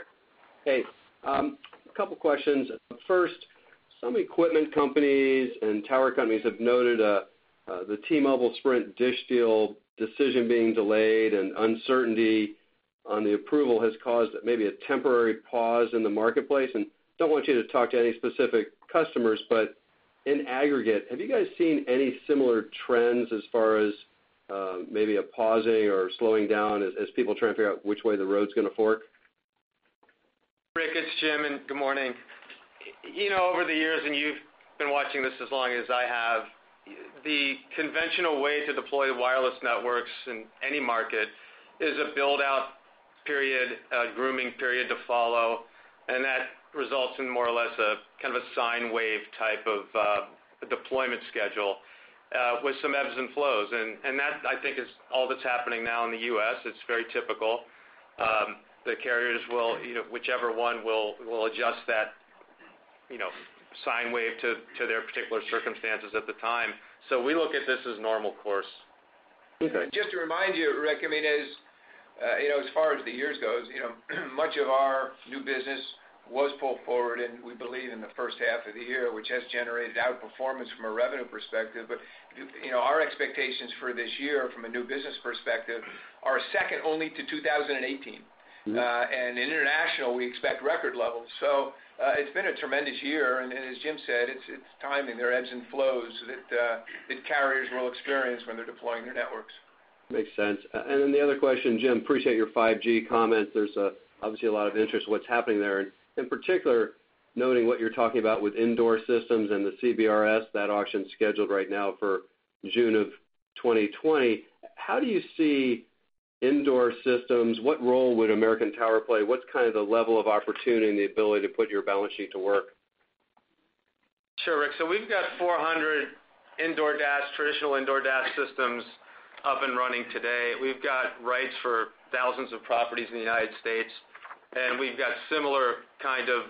Hey. A couple questions. First, some equipment companies and tower companies have noted the T-Mobile, Sprint, DISH deal decision being delayed and uncertainty on the approval has caused maybe a temporary pause in the marketplace, and don't want you to talk to any specific customers, but in aggregate, have you guys seen any similar trends as far as maybe a pausing or slowing down as people try to figure out which way the road's going to fork?
Ric, it's Jim. Good morning. Over the years, and you've been watching this as long as I have, the conventional way to deploy wireless networks in any market is a build-out period, a grooming period to follow, and that results in more or less a kind of sine wave type of deployment schedule with some ebbs and flows. That, I think, is all that's happening now in the U.S. It's very typical. The carriers will, whichever one will adjust that sine wave to their particular circumstances at the time. We look at this as normal course.
Okay.
Just to remind you, Ric, as far as the years goes, much of our new business was pulled forward, and we believe in the first half of the year, which has generated outperformance from a revenue perspective. Our expectations for this year from a new business perspective are second only to 2018. International, we expect record levels. It's been a tremendous year, and as Jim said, it's timing. There are ebbs and flows that carriers will experience when they're deploying their networks.
Makes sense. The other question, Jim, appreciate your 5G comments. There's obviously a lot of interest in what's happening there. In particular, noting what you're talking about with indoor systems and the CBRS, that auction scheduled right now for June of 2020. How do you see indoor systems? What role would American Tower play? What's the level of opportunity and the ability to put your balance sheet to work?
Sure, Ric. We've got 400 indoor DAS, traditional indoor DAS systems up and running today. We've got rights for thousands of properties in the United States, and we've got similar kind of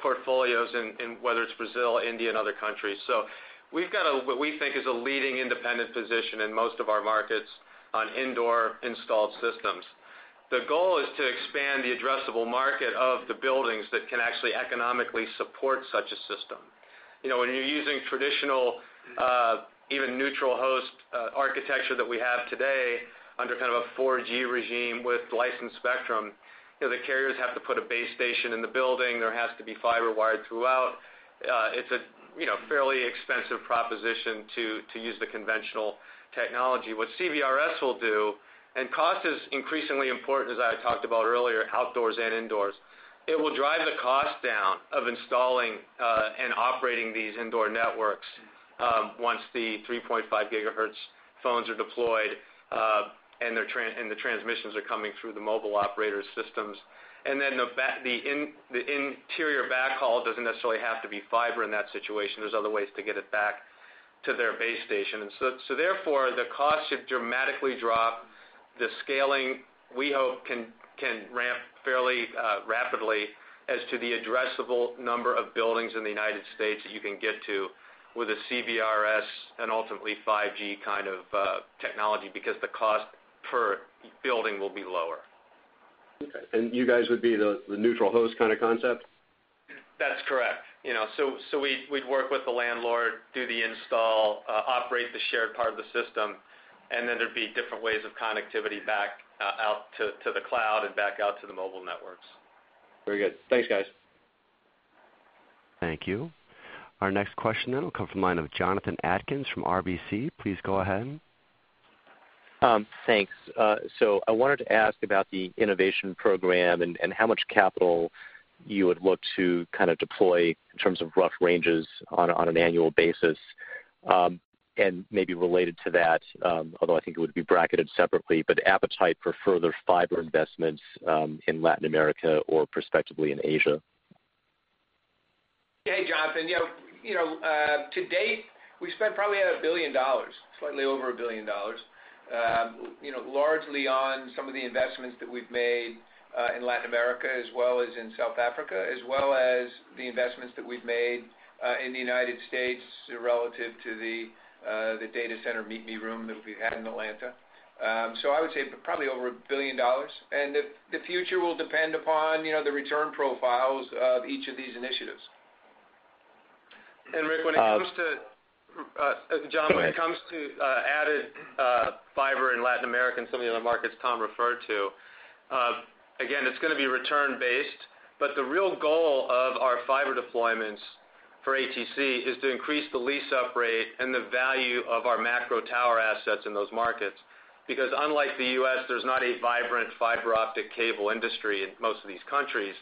portfolios in whether it's Brazil, India, and other countries. We've got what we think is a leading independent position in most of our markets on indoor installed systems. The goal is to expand the addressable market of the buildings that can actually economically support such a system. When you're using traditional, even neutral host architecture that we have today under kind of a 4G regime with licensed spectrum, the carriers have to put a base station in the building. There has to be fiber wired throughout. It's a fairly expensive proposition to use the conventional technology. What CBRS will do, and cost is increasingly important, as I talked about earlier, outdoors and indoors. It will drive the cost down of installing and operating these indoor networks once the 3.5 gigahertz phones are deployed, and the transmissions are coming through the mobile operator systems. The interior backhaul doesn't necessarily have to be fiber in that situation. There's other ways to get it back to their base station. Therefore, the cost should dramatically drop. The scaling, we hope can ramp fairly rapidly as to the addressable number of buildings in the United States that you can get to with a CBRS and ultimately 5G kind of technology, because the cost per building will be lower.
Okay, you guys would be the neutral host kind of concept?
That's correct. We'd work with the landlord, do the install, operate the shared part of the system, and then there'd be different ways of connectivity back out to the cloud and back out to the mobile networks.
Very good. Thanks, guys.
Thank you. Our next question will come from the line of Jonathan Atkin from RBC. Please go ahead.
Thanks. I wanted to ask about the innovation program and how much capital you would look to deploy in terms of rough ranges on an annual basis. Maybe related to that, although I think it would be bracketed separately, but appetite for further fiber investments in Latin America or prospectively in Asia.
Hey, Jonathan. To date, we spent probably $1 billion, slightly over $1 billion, largely on some of the investments that we've made in Latin America as well as in South Africa, as well as the investments that we've made in the United States relative to the data center meet me room that we have in Atlanta. I would say probably over $1 billion, and the future will depend upon the return profiles of each of these initiatives.
Ric, Jonathan, when it comes to added fiber in Latin America and some of the other markets Tom referred to, again, it's going to be return based. The real goal of our fiber deployments for ATC is to increase the lease-up rate and the value of our macro tower assets in those markets. Unlike the U.S., there's not a vibrant fiber optic cable industry in most of these countries.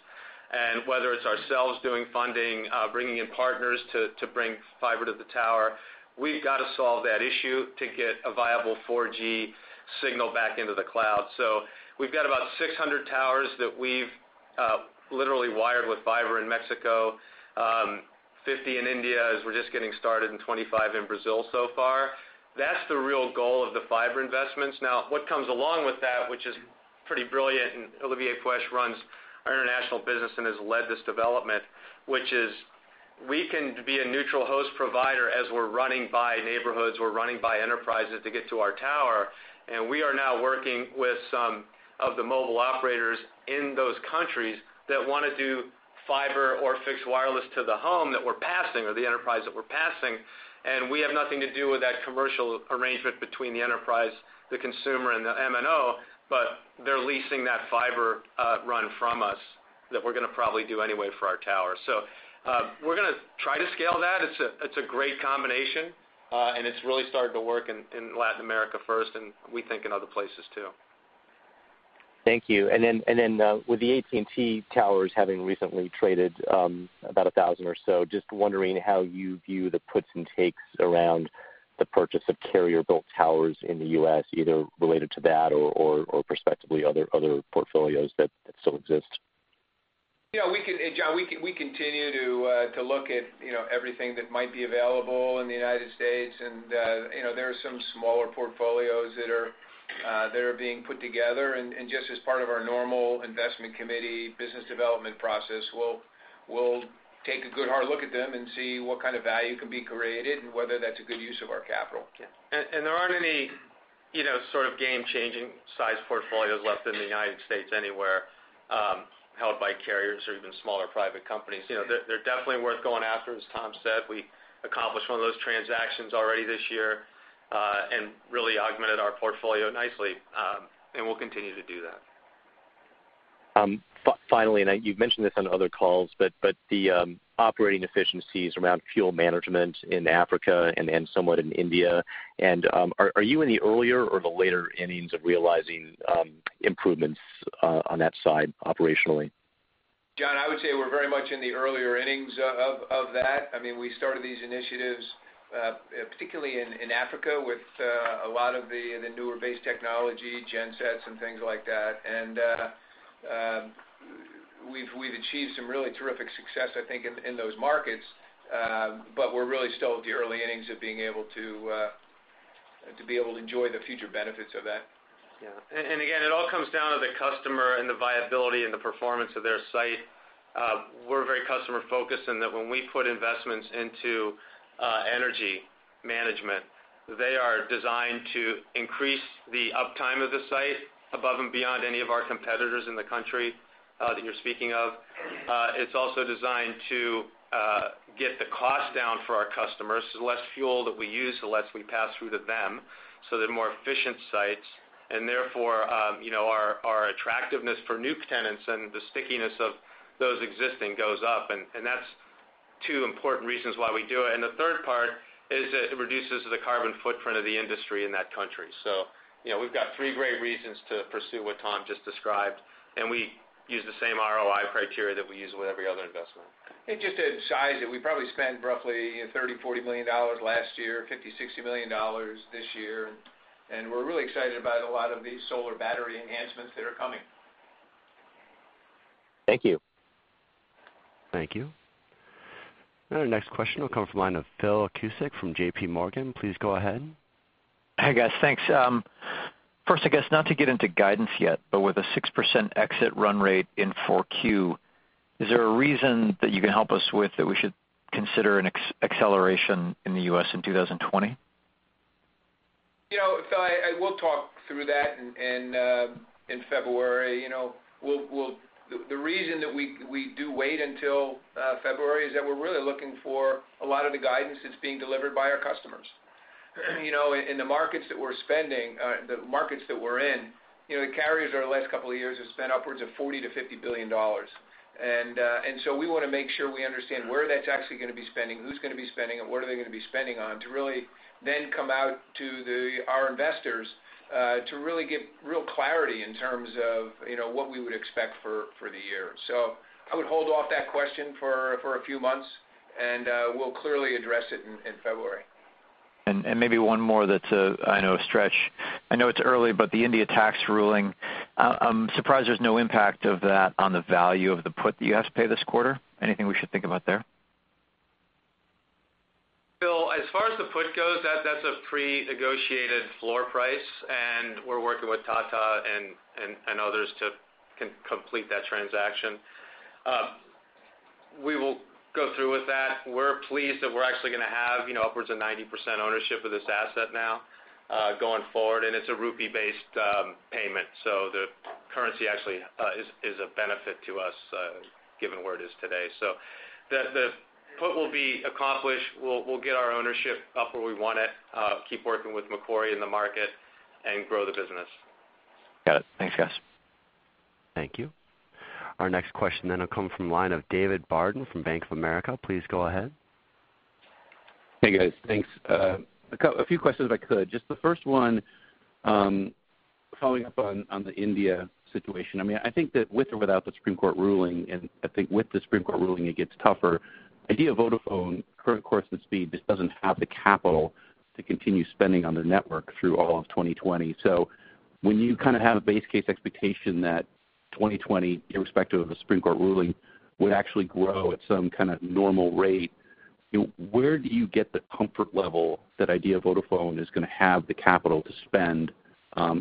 Whether it's ourselves doing funding, bringing in partners to bring fiber to the tower, we've got to solve that issue to get a viable 4G signal back into the cloud. We've got about 600 towers that we've literally wired with fiber in Mexico, 50 in India as we're just getting started, and 25 in Brazil so far. That's the real goal of the fiber investments. Now, what comes along with that, which is pretty brilliant, and Olivier Puech runs our international business and has led this development, which is we can be a neutral host provider as we're running by neighborhoods, we're running by enterprises to get to our tower, and we are now working with some of the mobile operators in those countries that want to do. Fiber or fixed wireless to the home that we're passing, or the enterprise that we're passing, we have nothing to do with that commercial arrangement between the enterprise, the consumer, and the MNO, but they're leasing that fiber run from us that we're going to probably do anyway for our tower. We're going to try to scale that. It's a great combination, it's really started to work in Latin America first, and we think in other places, too.
Thank you. With the AT&T towers having recently traded about 1,000 or so, just wondering how you view the puts and takes around the purchase of carrier-built towers in the U.S., either related to that, or prospectively other portfolios that still exist.
Yeah, Jon, we continue to look at everything that might be available in the U.S. There are some smaller portfolios that are being put together. Just as part of our normal investment committee business development process, we'll take a good hard look at them and see what kind of value can be created and whether that's a good use of our capital.
There aren't any game-changing size portfolios left in the United States anywhere, held by carriers or even smaller private companies. They're definitely worth going after, as Tom said. We accomplished one of those transactions already this year, and really augmented our portfolio nicely, and we'll continue to do that.
Finally, now, you've mentioned this on other calls, but the operating efficiencies around fuel management in Africa and somewhat in India, and are you in the earlier or the later innings of realizing improvements on that side operationally?
Jon, I would say we're very much in the earlier innings of that. We started these initiatives, particularly in Africa, with a lot of the newer base technology, gen sets and things like that. We've achieved some really terrific success, I think, in those markets. We're really still at the early innings of being able to enjoy the future benefits of that.
Yeah. Again, it all comes down to the customer and the viability and the performance of their site. We're very customer-focused in that when we put investments into energy management, they are designed to increase the uptime of the site above and beyond any of our competitors in the country that you're speaking of. It's also designed to get the cost down for our customers. The less fuel that we use, the less we pass through to them, so they're more efficient sites. Therefore, our attractiveness for new tenants and the stickiness of those existing goes up, and that's two important reasons why we do it. The third part is that it reduces the carbon footprint of the industry in that country. We've got three great reasons to pursue what Tom just described, and we use the same ROI criteria that we use with every other investment.
Just to size it, we probably spent roughly $30 million-$40 million last year, $50 million-$60 million this year, and we're really excited about a lot of these solar battery enhancements that are coming.
Thank you.
Thank you. Our next question will come from the line of Phil Cusick from JPMorgan. Please go ahead.
Hey, guys. Thanks. First, I guess not to get into guidance yet, but with a 6% exit run rate in 4Q, is there a reason that you can help us with that we should consider an acceleration in the U.S. in 2020?
Phil, I will talk through that in February. The reason that we do wait until February is that we're really looking for a lot of the guidance that's being delivered by our customers. In the markets that we're in, the carriers over the last couple of years have spent upwards of $40 billion-$50 billion. We want to make sure we understand where that's actually going to be spending, who's going to be spending, and what are they going to be spending on, to really then come out to our investors, to really give real clarity in terms of what we would expect for the year. I would hold off that question for a few months, and we'll clearly address it in February.
Maybe one more that's, I know, a stretch. I know it's early, but the India tax ruling, I'm surprised there's no impact of that on the value of the put that you have to pay this quarter. Anything we should think about there?
Phil, as far as the put goes, that's a pre-negotiated floor price, and we're working with Tata and others to complete that transaction. We will go through with that. We're pleased that we're actually going to have upwards of 90% ownership of this asset now, going forward, and it's a rupee-based payment. The currency actually is a benefit to us, given where it is today. The put will be accomplished. We'll get our ownership up where we want it, keep working with Macquarie in the market, and grow the business.
Got it. Thanks, guys.
Thank you. Our next question will come from the line of David Barden from Bank of America. Please go ahead.
Hey, guys. Thanks. A few questions, if I could. The first one, following up on the India situation. I think that with or without the Supreme Court ruling, and I think with the Supreme Court ruling, it gets tougher. Idea Vodafone, current course and speed, just doesn't have the capital to continue spending on their network through all of 2020. When you have a base case expectation that 2020, irrespective of the Supreme Court ruling, would actually grow at some kind of normal rate, where do you get the comfort level that Idea Vodafone is going to have the capital to spend? How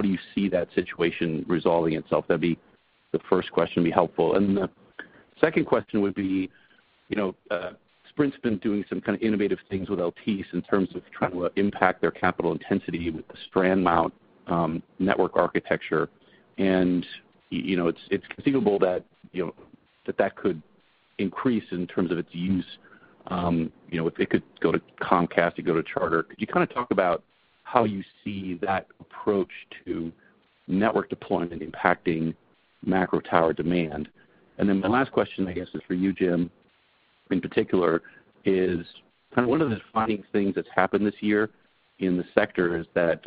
do you see that situation resolving itself? That'd be the first question, be helpful. The second question would be Sprint's been doing some kind of innovative things with LTE in terms of trying to impact their capital intensity with the strand mount network architecture, and it's conceivable that could increase in terms of its use. It could go to Comcast. It could go to Charter. Could you talk about how you see that approach to network deployment impacting macro tower demand? My last question, I guess, is for you, Jim, in particular, is one of the funny things that's happened this year in the sector is that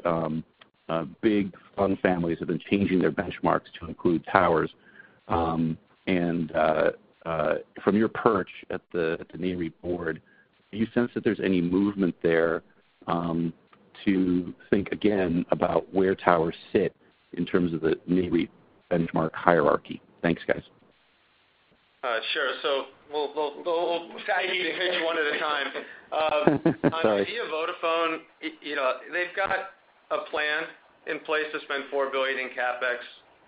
big fund families have been changing their benchmarks to include towers. From your perch at the Nareit board, do you sense that there's any movement there to think again about where towers sit in terms of the Nareit benchmark hierarchy? Thanks, guys.
Sure. We'll take each one at a time.
Sorry.
Idea Vodafone, they've got a plan in place to spend $4 billion in CapEx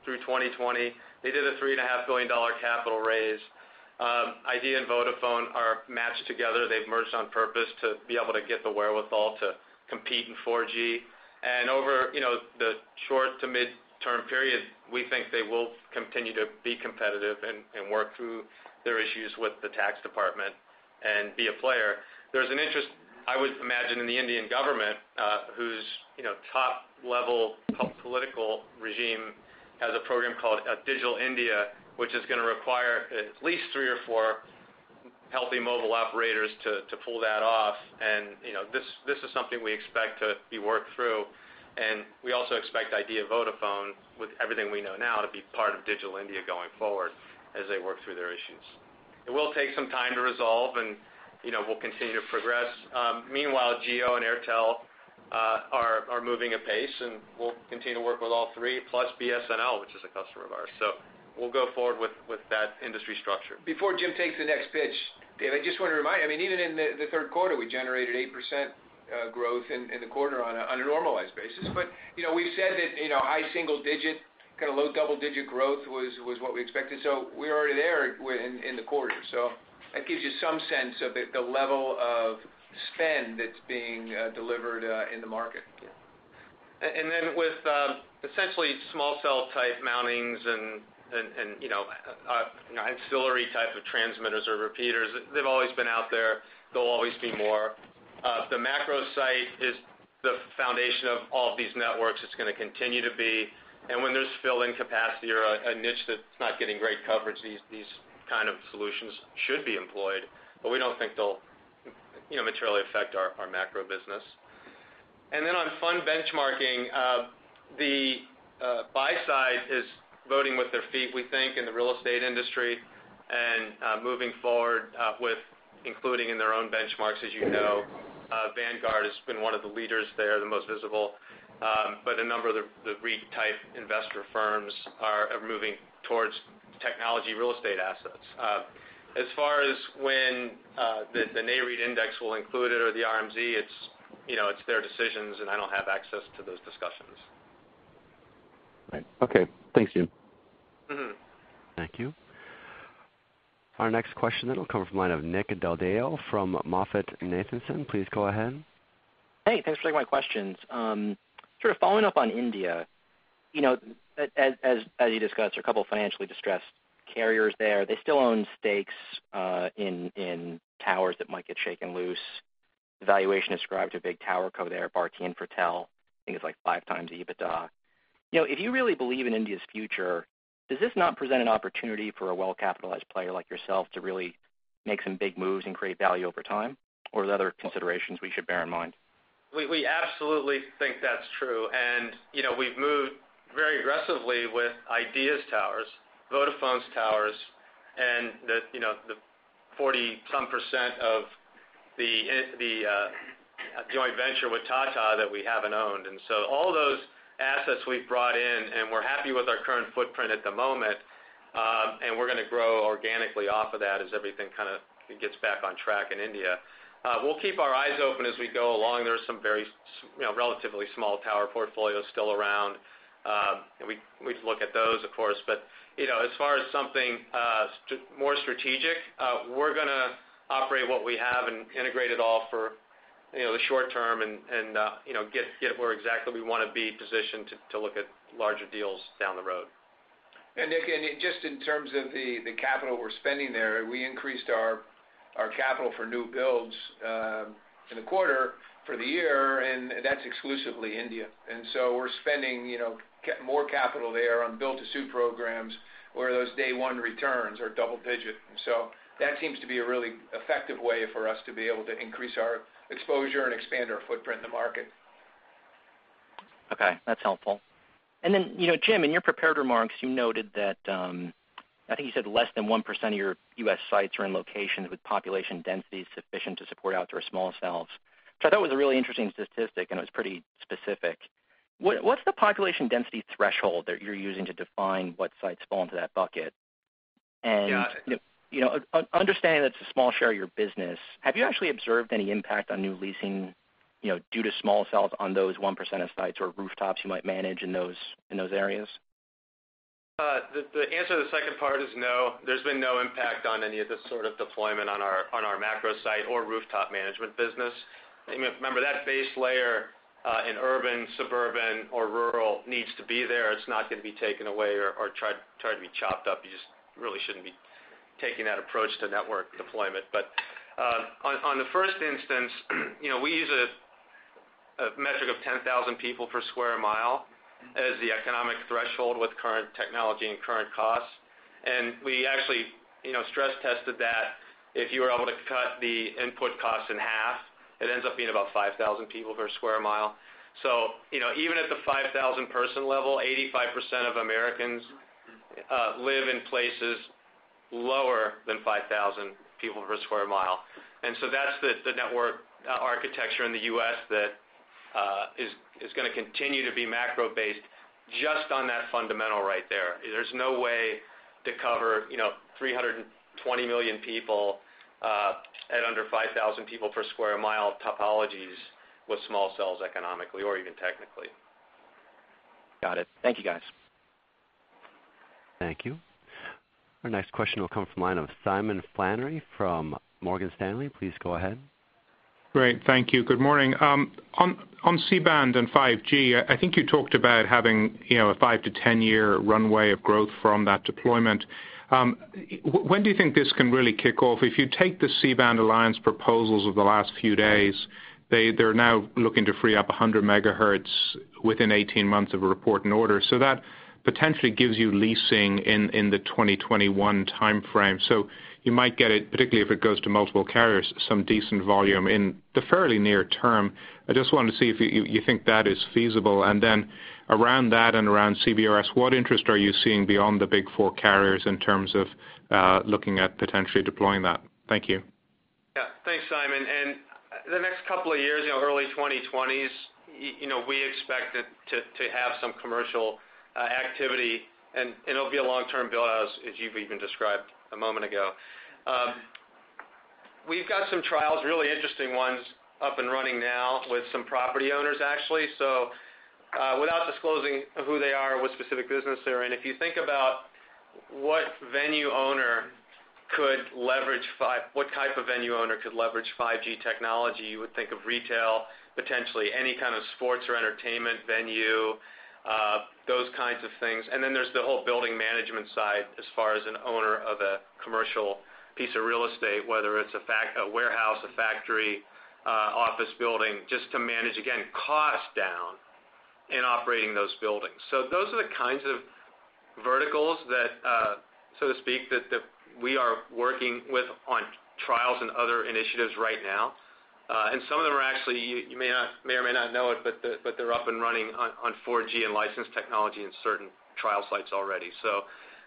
through 2020. They did a $3.5 billion capital raise. Idea and Vodafone are matched together. They've merged on purpose to be able to get the wherewithal to compete in 4G. Over the short to mid-term period, we think they will continue to be competitive and work through their issues with the tax department and be a player. There's an interest, I would imagine, in the Indian government, whose top-level political regime has a program called Digital India, which is going to require at least three or four healthy mobile operators to pull that off. This is something we expect to be worked through. We also expect Idea Vodafone, with everything we know now, to be part of Digital India going forward as they work through their issues. It will take some time to resolve, and we'll continue to progress. Meanwhile, Jio and Airtel are moving at pace, and we'll continue to work with all three, plus BSNL, which is a customer of ours. We'll go forward with that industry structure.
Before Jim takes the next pitch, David, I just want to remind, even in the third quarter, we generated 8% growth in the quarter on a normalized basis. We said that high single-digit, low double-digit growth was what we expected. We're already there in the quarter. That gives you some sense of the level of spend that's being delivered in the market.
With essentially small cell type mountings and ancillary type of transmitters or repeaters, they've always been out there. There'll always be more. The macro site is the foundation of all of these networks. It's going to continue to be. When there's fill-in capacity or a niche that's not getting great coverage, these kind of solutions should be employed. We don't think they'll materially affect our macro business. On fund benchmarking, the buy side is voting with their feet, we think, in the real estate industry and moving forward with including in their own benchmarks. As you know, Vanguard has been one of the leaders there, the most visible. A number of the REIT-type investor firms are moving towards technology real estate assets. As far as when the Nareit index will include it or the RMZ, it's their decisions, and I don't have access to those discussions.
Right. Okay. Thanks, Jim.
Thank you. Our next question will come from the line of Nick Del Deo from MoffettNathanson. Please go ahead.
Hey, thanks for taking my questions. Sort of following up on India. As you discussed, there are a couple of financially distressed carriers there. They still own stakes in towers that might get shaken loose. The valuation ascribed to a big tower co there, Bharti Infratel, I think it's like five times the EBITDA. If you really believe in India's future, does this not present an opportunity for a well-capitalized player like yourself to really make some big moves and create value over time? Are there other considerations we should bear in mind?
We absolutely think that's true. We've moved very aggressively with Idea's Towers, Vodafone's Towers, and the 40 some percent of the joint venture with Tata that we haven't owned. All those assets we've brought in, and we're happy with our current footprint at the moment, and we're going to grow organically off of that as everything gets back on track in India. We'll keep our eyes open as we go along. There are some relatively small tower portfolios still around. We'd look at those, of course. As far as something more strategic, we're going to operate what we have and integrate it all for the short term and get where exactly we want to be positioned to look at larger deals down the road.
Nick, just in terms of the capital we're spending there, we increased our capital for new builds in the quarter for the year. That's exclusively India. We're spending more capital there on build to suit programs where those day one returns are double digit. That seems to be a really effective way for us to be able to increase our exposure and expand our footprint in the market.
Okay. That's helpful. Jim, in your prepared remarks, you noted that, I think you said less than 1% of your U.S. sites are in locations with population densities sufficient to support outdoor small cells. I thought it was a really interesting statistic, and it was pretty specific. What's the population density threshold that you're using to define what sites fall into that bucket?
Yeah.
Understanding that it's a small share of your business, have you actually observed any impact on new leasing due to small cells on those 1% of sites or rooftops you might manage in those areas?
The answer to the second part is no, there's been no impact on any of this sort of deployment on our macro site or rooftop management business. Remember, that base layer in urban, suburban, or rural needs to be there. It's not going to be taken away or tried to be chopped up. You just really shouldn't be taking that approach to network deployment. On the first instance, we use a metric of 10,000 people per square mile as the economic threshold with current technology and current costs. We actually stress tested that if you are able to cut the input cost in half, it ends up being about 5,000 people per square mile. Even at the 5,000 person level, 85% of Americans live in places lower than 5,000 people per square mile. That's the network architecture in the U.S. that is going to continue to be macro-based just on that fundamental right there. There's no way to cover 320 million people at under 5,000 people per square mile topologies with small cells economically or even technically.
Got it. Thank you, guys.
Thank you. Our next question will come from the line of Simon Flannery from Morgan Stanley. Please go ahead.
Great, thank you. Good morning. On C-band and 5G, I think you talked about having a 5 to 10-year runway of growth from that deployment. When do you think this can really kick off? If you take the C-Band Alliance proposals of the last few days, they're now looking to free up 100 megahertz within 18 months of a report and order. That potentially gives you leasing in the 2021 timeframe. You might get it, particularly if it goes to multiple carriers, some decent volume in the fairly near term. I just wanted to see if you think that is feasible. Then around that and around CBRS, what interest are you seeing beyond the big four carriers in terms of looking at potentially deploying that? Thank you.
Thanks, Simon. The next couple of years, early 2020s, we expect to have some commercial activity, and it'll be a long-term build-out, as you've even described a moment ago. We've got some trials, really interesting ones, up and running now with some property owners, actually. Without disclosing who they are or what specific business they're in, if you think about what type of venue owner could leverage 5G technology, you would think of retail, potentially any kind of sports or entertainment venue, those kinds of things. There's the whole building management side as far as an owner of a commercial piece of real estate, whether it's a warehouse, a factory, office building, just to manage, again, cost down in operating those buildings. Those are the kinds of verticals, so to speak, that we are working with on trials and other initiatives right now. Some of them are actually, you may or may not know it, but they're up and running on 4G and licensed technology in certain trial sites already.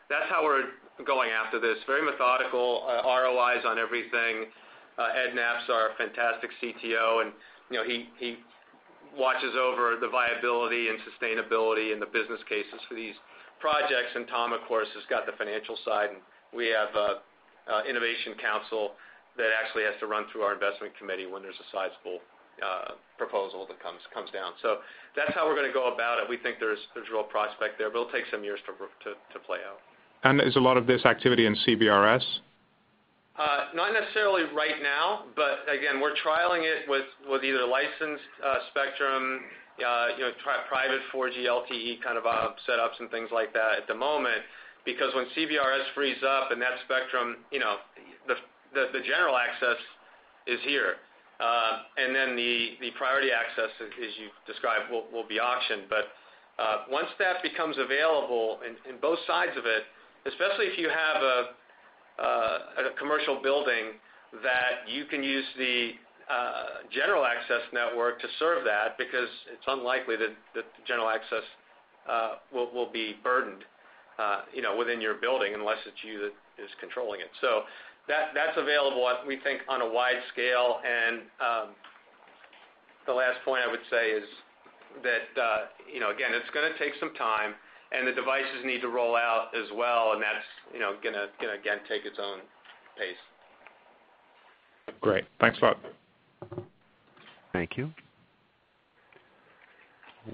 That's how we're going after this. Very methodical, ROIs on everything. Ed Knapp's our fantastic CTO, and he watches over the viability and sustainability and the business cases for these projects. Tom, of course, has got the financial side, and we have an innovation council that actually has to run through our investment committee when there's a sizable proposal that comes down. That's how we're going to go about it. We think there's real prospect there, but it'll take some years to play out.
Is a lot of this activity in CBRS?
Not necessarily right now, again, we're trialing it with either licensed spectrum, private 4G LTE kind of setups and things like that at the moment. When CBRS frees up and that spectrum, the general access is here, then the priority access, as you described, will be auctioned. Once that becomes available in both sides of it, especially if you have a commercial building that you can use the general access network to serve that, it's unlikely that the general access will be burdened within your building unless it's you that is controlling it. That's available, we think, on a wide scale. The last point I would say is that, again, it's going to take some time, and the devices need to roll out as well, and that's gonna, again, take its own pace.
Great. Thanks a lot.
Thank you.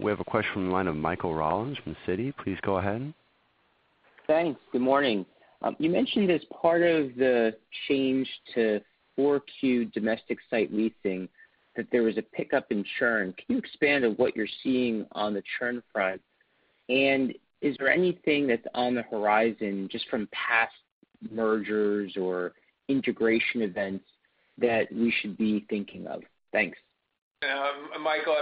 We have a question from the line of Michael Rollins from Citi. Please go ahead.
Thanks. Good morning. You mentioned as part of the change to 4Q domestic site leasing that there was a pickup in churn. Can you expand on what you're seeing on the churn front? Is there anything that's on the horizon, just from past mergers or integration events, that we should be thinking of? Thanks.
Michael,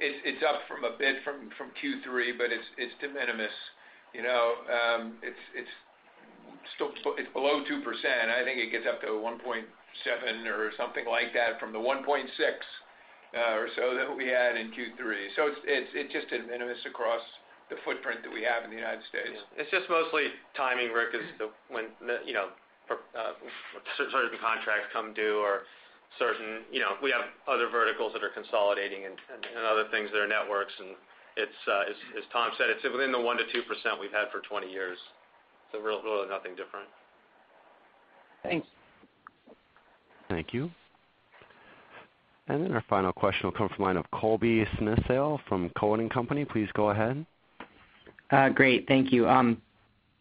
it's up from a bit from Q3, but it's de minimis. It's below 2%. I think it gets up to 1.7% or something like that from the 1.6% or so that we had in Q3. It's just de minimis across the footprint that we have in the United States.
It's just mostly timing, Ric, is when certain contracts come due or we have other verticals that are consolidating and other things that are networks, and as Tom said, it's within the 1% to 2% we've had for 20 years. Really nothing different.
Thanks.
Thank you. Our final question will come from the line of Colby Synesael from Cowen and Company. Please go ahead.
Great. Thank you.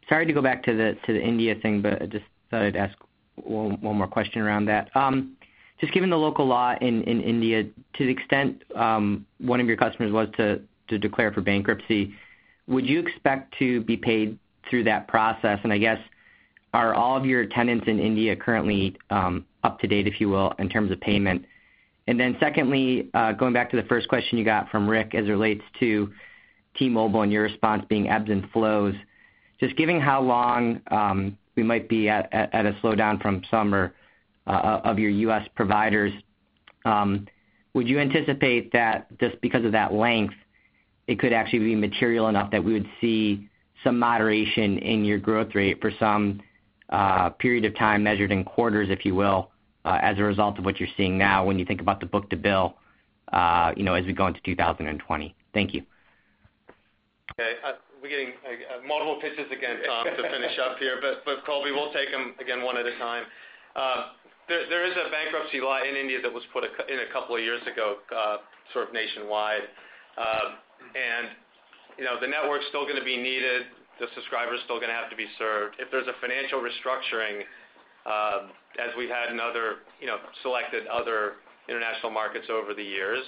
Sorry to go back to the India thing, but I just thought I'd ask one more question around that. Just given the local law in India, to the extent one of your customers was to declare for bankruptcy, would you expect to be paid through that process? I guess, are all of your tenants in India currently up to date, if you will, in terms of payment? Secondly, going back to the first question you got from Ric as it relates to T-Mobile and your response being ebbs and flows. Just given how long we might be at a slowdown from summer of your U.S. providers, would you anticipate that just because of that length, it could actually be material enough that we would see some moderation in your growth rate for some period of time measured in quarters, if you will, as a result of what you're seeing now when you think about the book to bill as we go into 2020? Thank you.
Okay. We're getting multiple pitches again, Tom, to finish up here. Colby, we'll take them again one at a time. There is a bankruptcy law in India that was put in a couple of years ago, sort of nationwide. The network's still gonna be needed, the subscriber's still gonna have to be served. If there's a financial restructuring, as we had in selected other international markets over the years,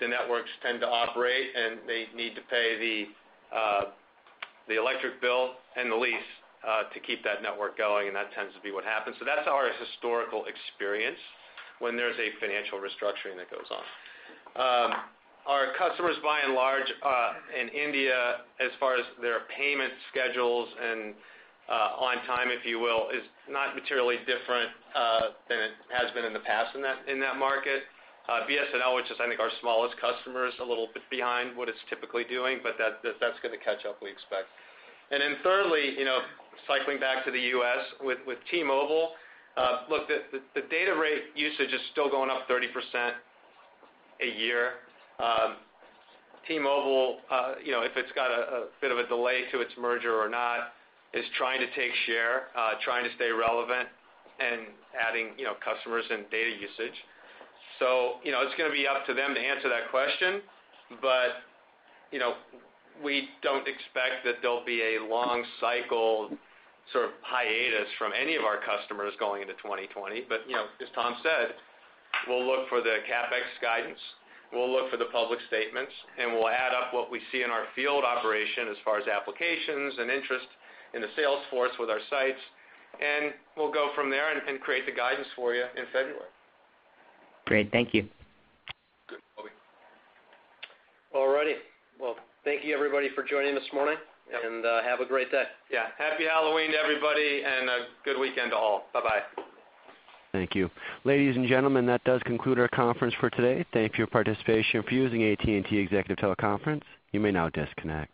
the networks tend to operate. They need to pay the electric bill and the lease, to keep that network going. That tends to be what happens. That's our historical experience when there's a financial restructuring that goes on. Our customers by and large, in India, as far as their payment schedules and on time, if you will, is not materially different, than it has been in the past in that market. BSNL, which is I think our smallest customer, is a little bit behind what it's typically doing, but that's gonna catch up, we expect. Thirdly, cycling back to the U.S. with T-Mobile, look, the data rate usage is still going up 30% a year. T-Mobile, if it's got a bit of a delay to its merger or not, is trying to take share, trying to stay relevant and adding customers and data usage. It's gonna be up to them to answer that question. We don't expect that there'll be a long cycle sort of hiatus from any of our customers going into 2020. As Tom said, we'll look for the CapEx guidance, we'll look for the public statements, and we'll add up what we see in our field operation as far as applications and interest in the sales force with our sites, and we'll go from there and create the guidance for you in February.
Great. Thank you.
Good, Colby.
All right. Thank you everybody for joining this morning, and have a great day.
Yeah. Happy Halloween to everybody, and a good weekend to all. Bye-bye.
Thank you. Ladies and gentlemen, that does conclude our conference for today. Thank you for your participation for using AT&T TeleConference Services. You may now disconnect.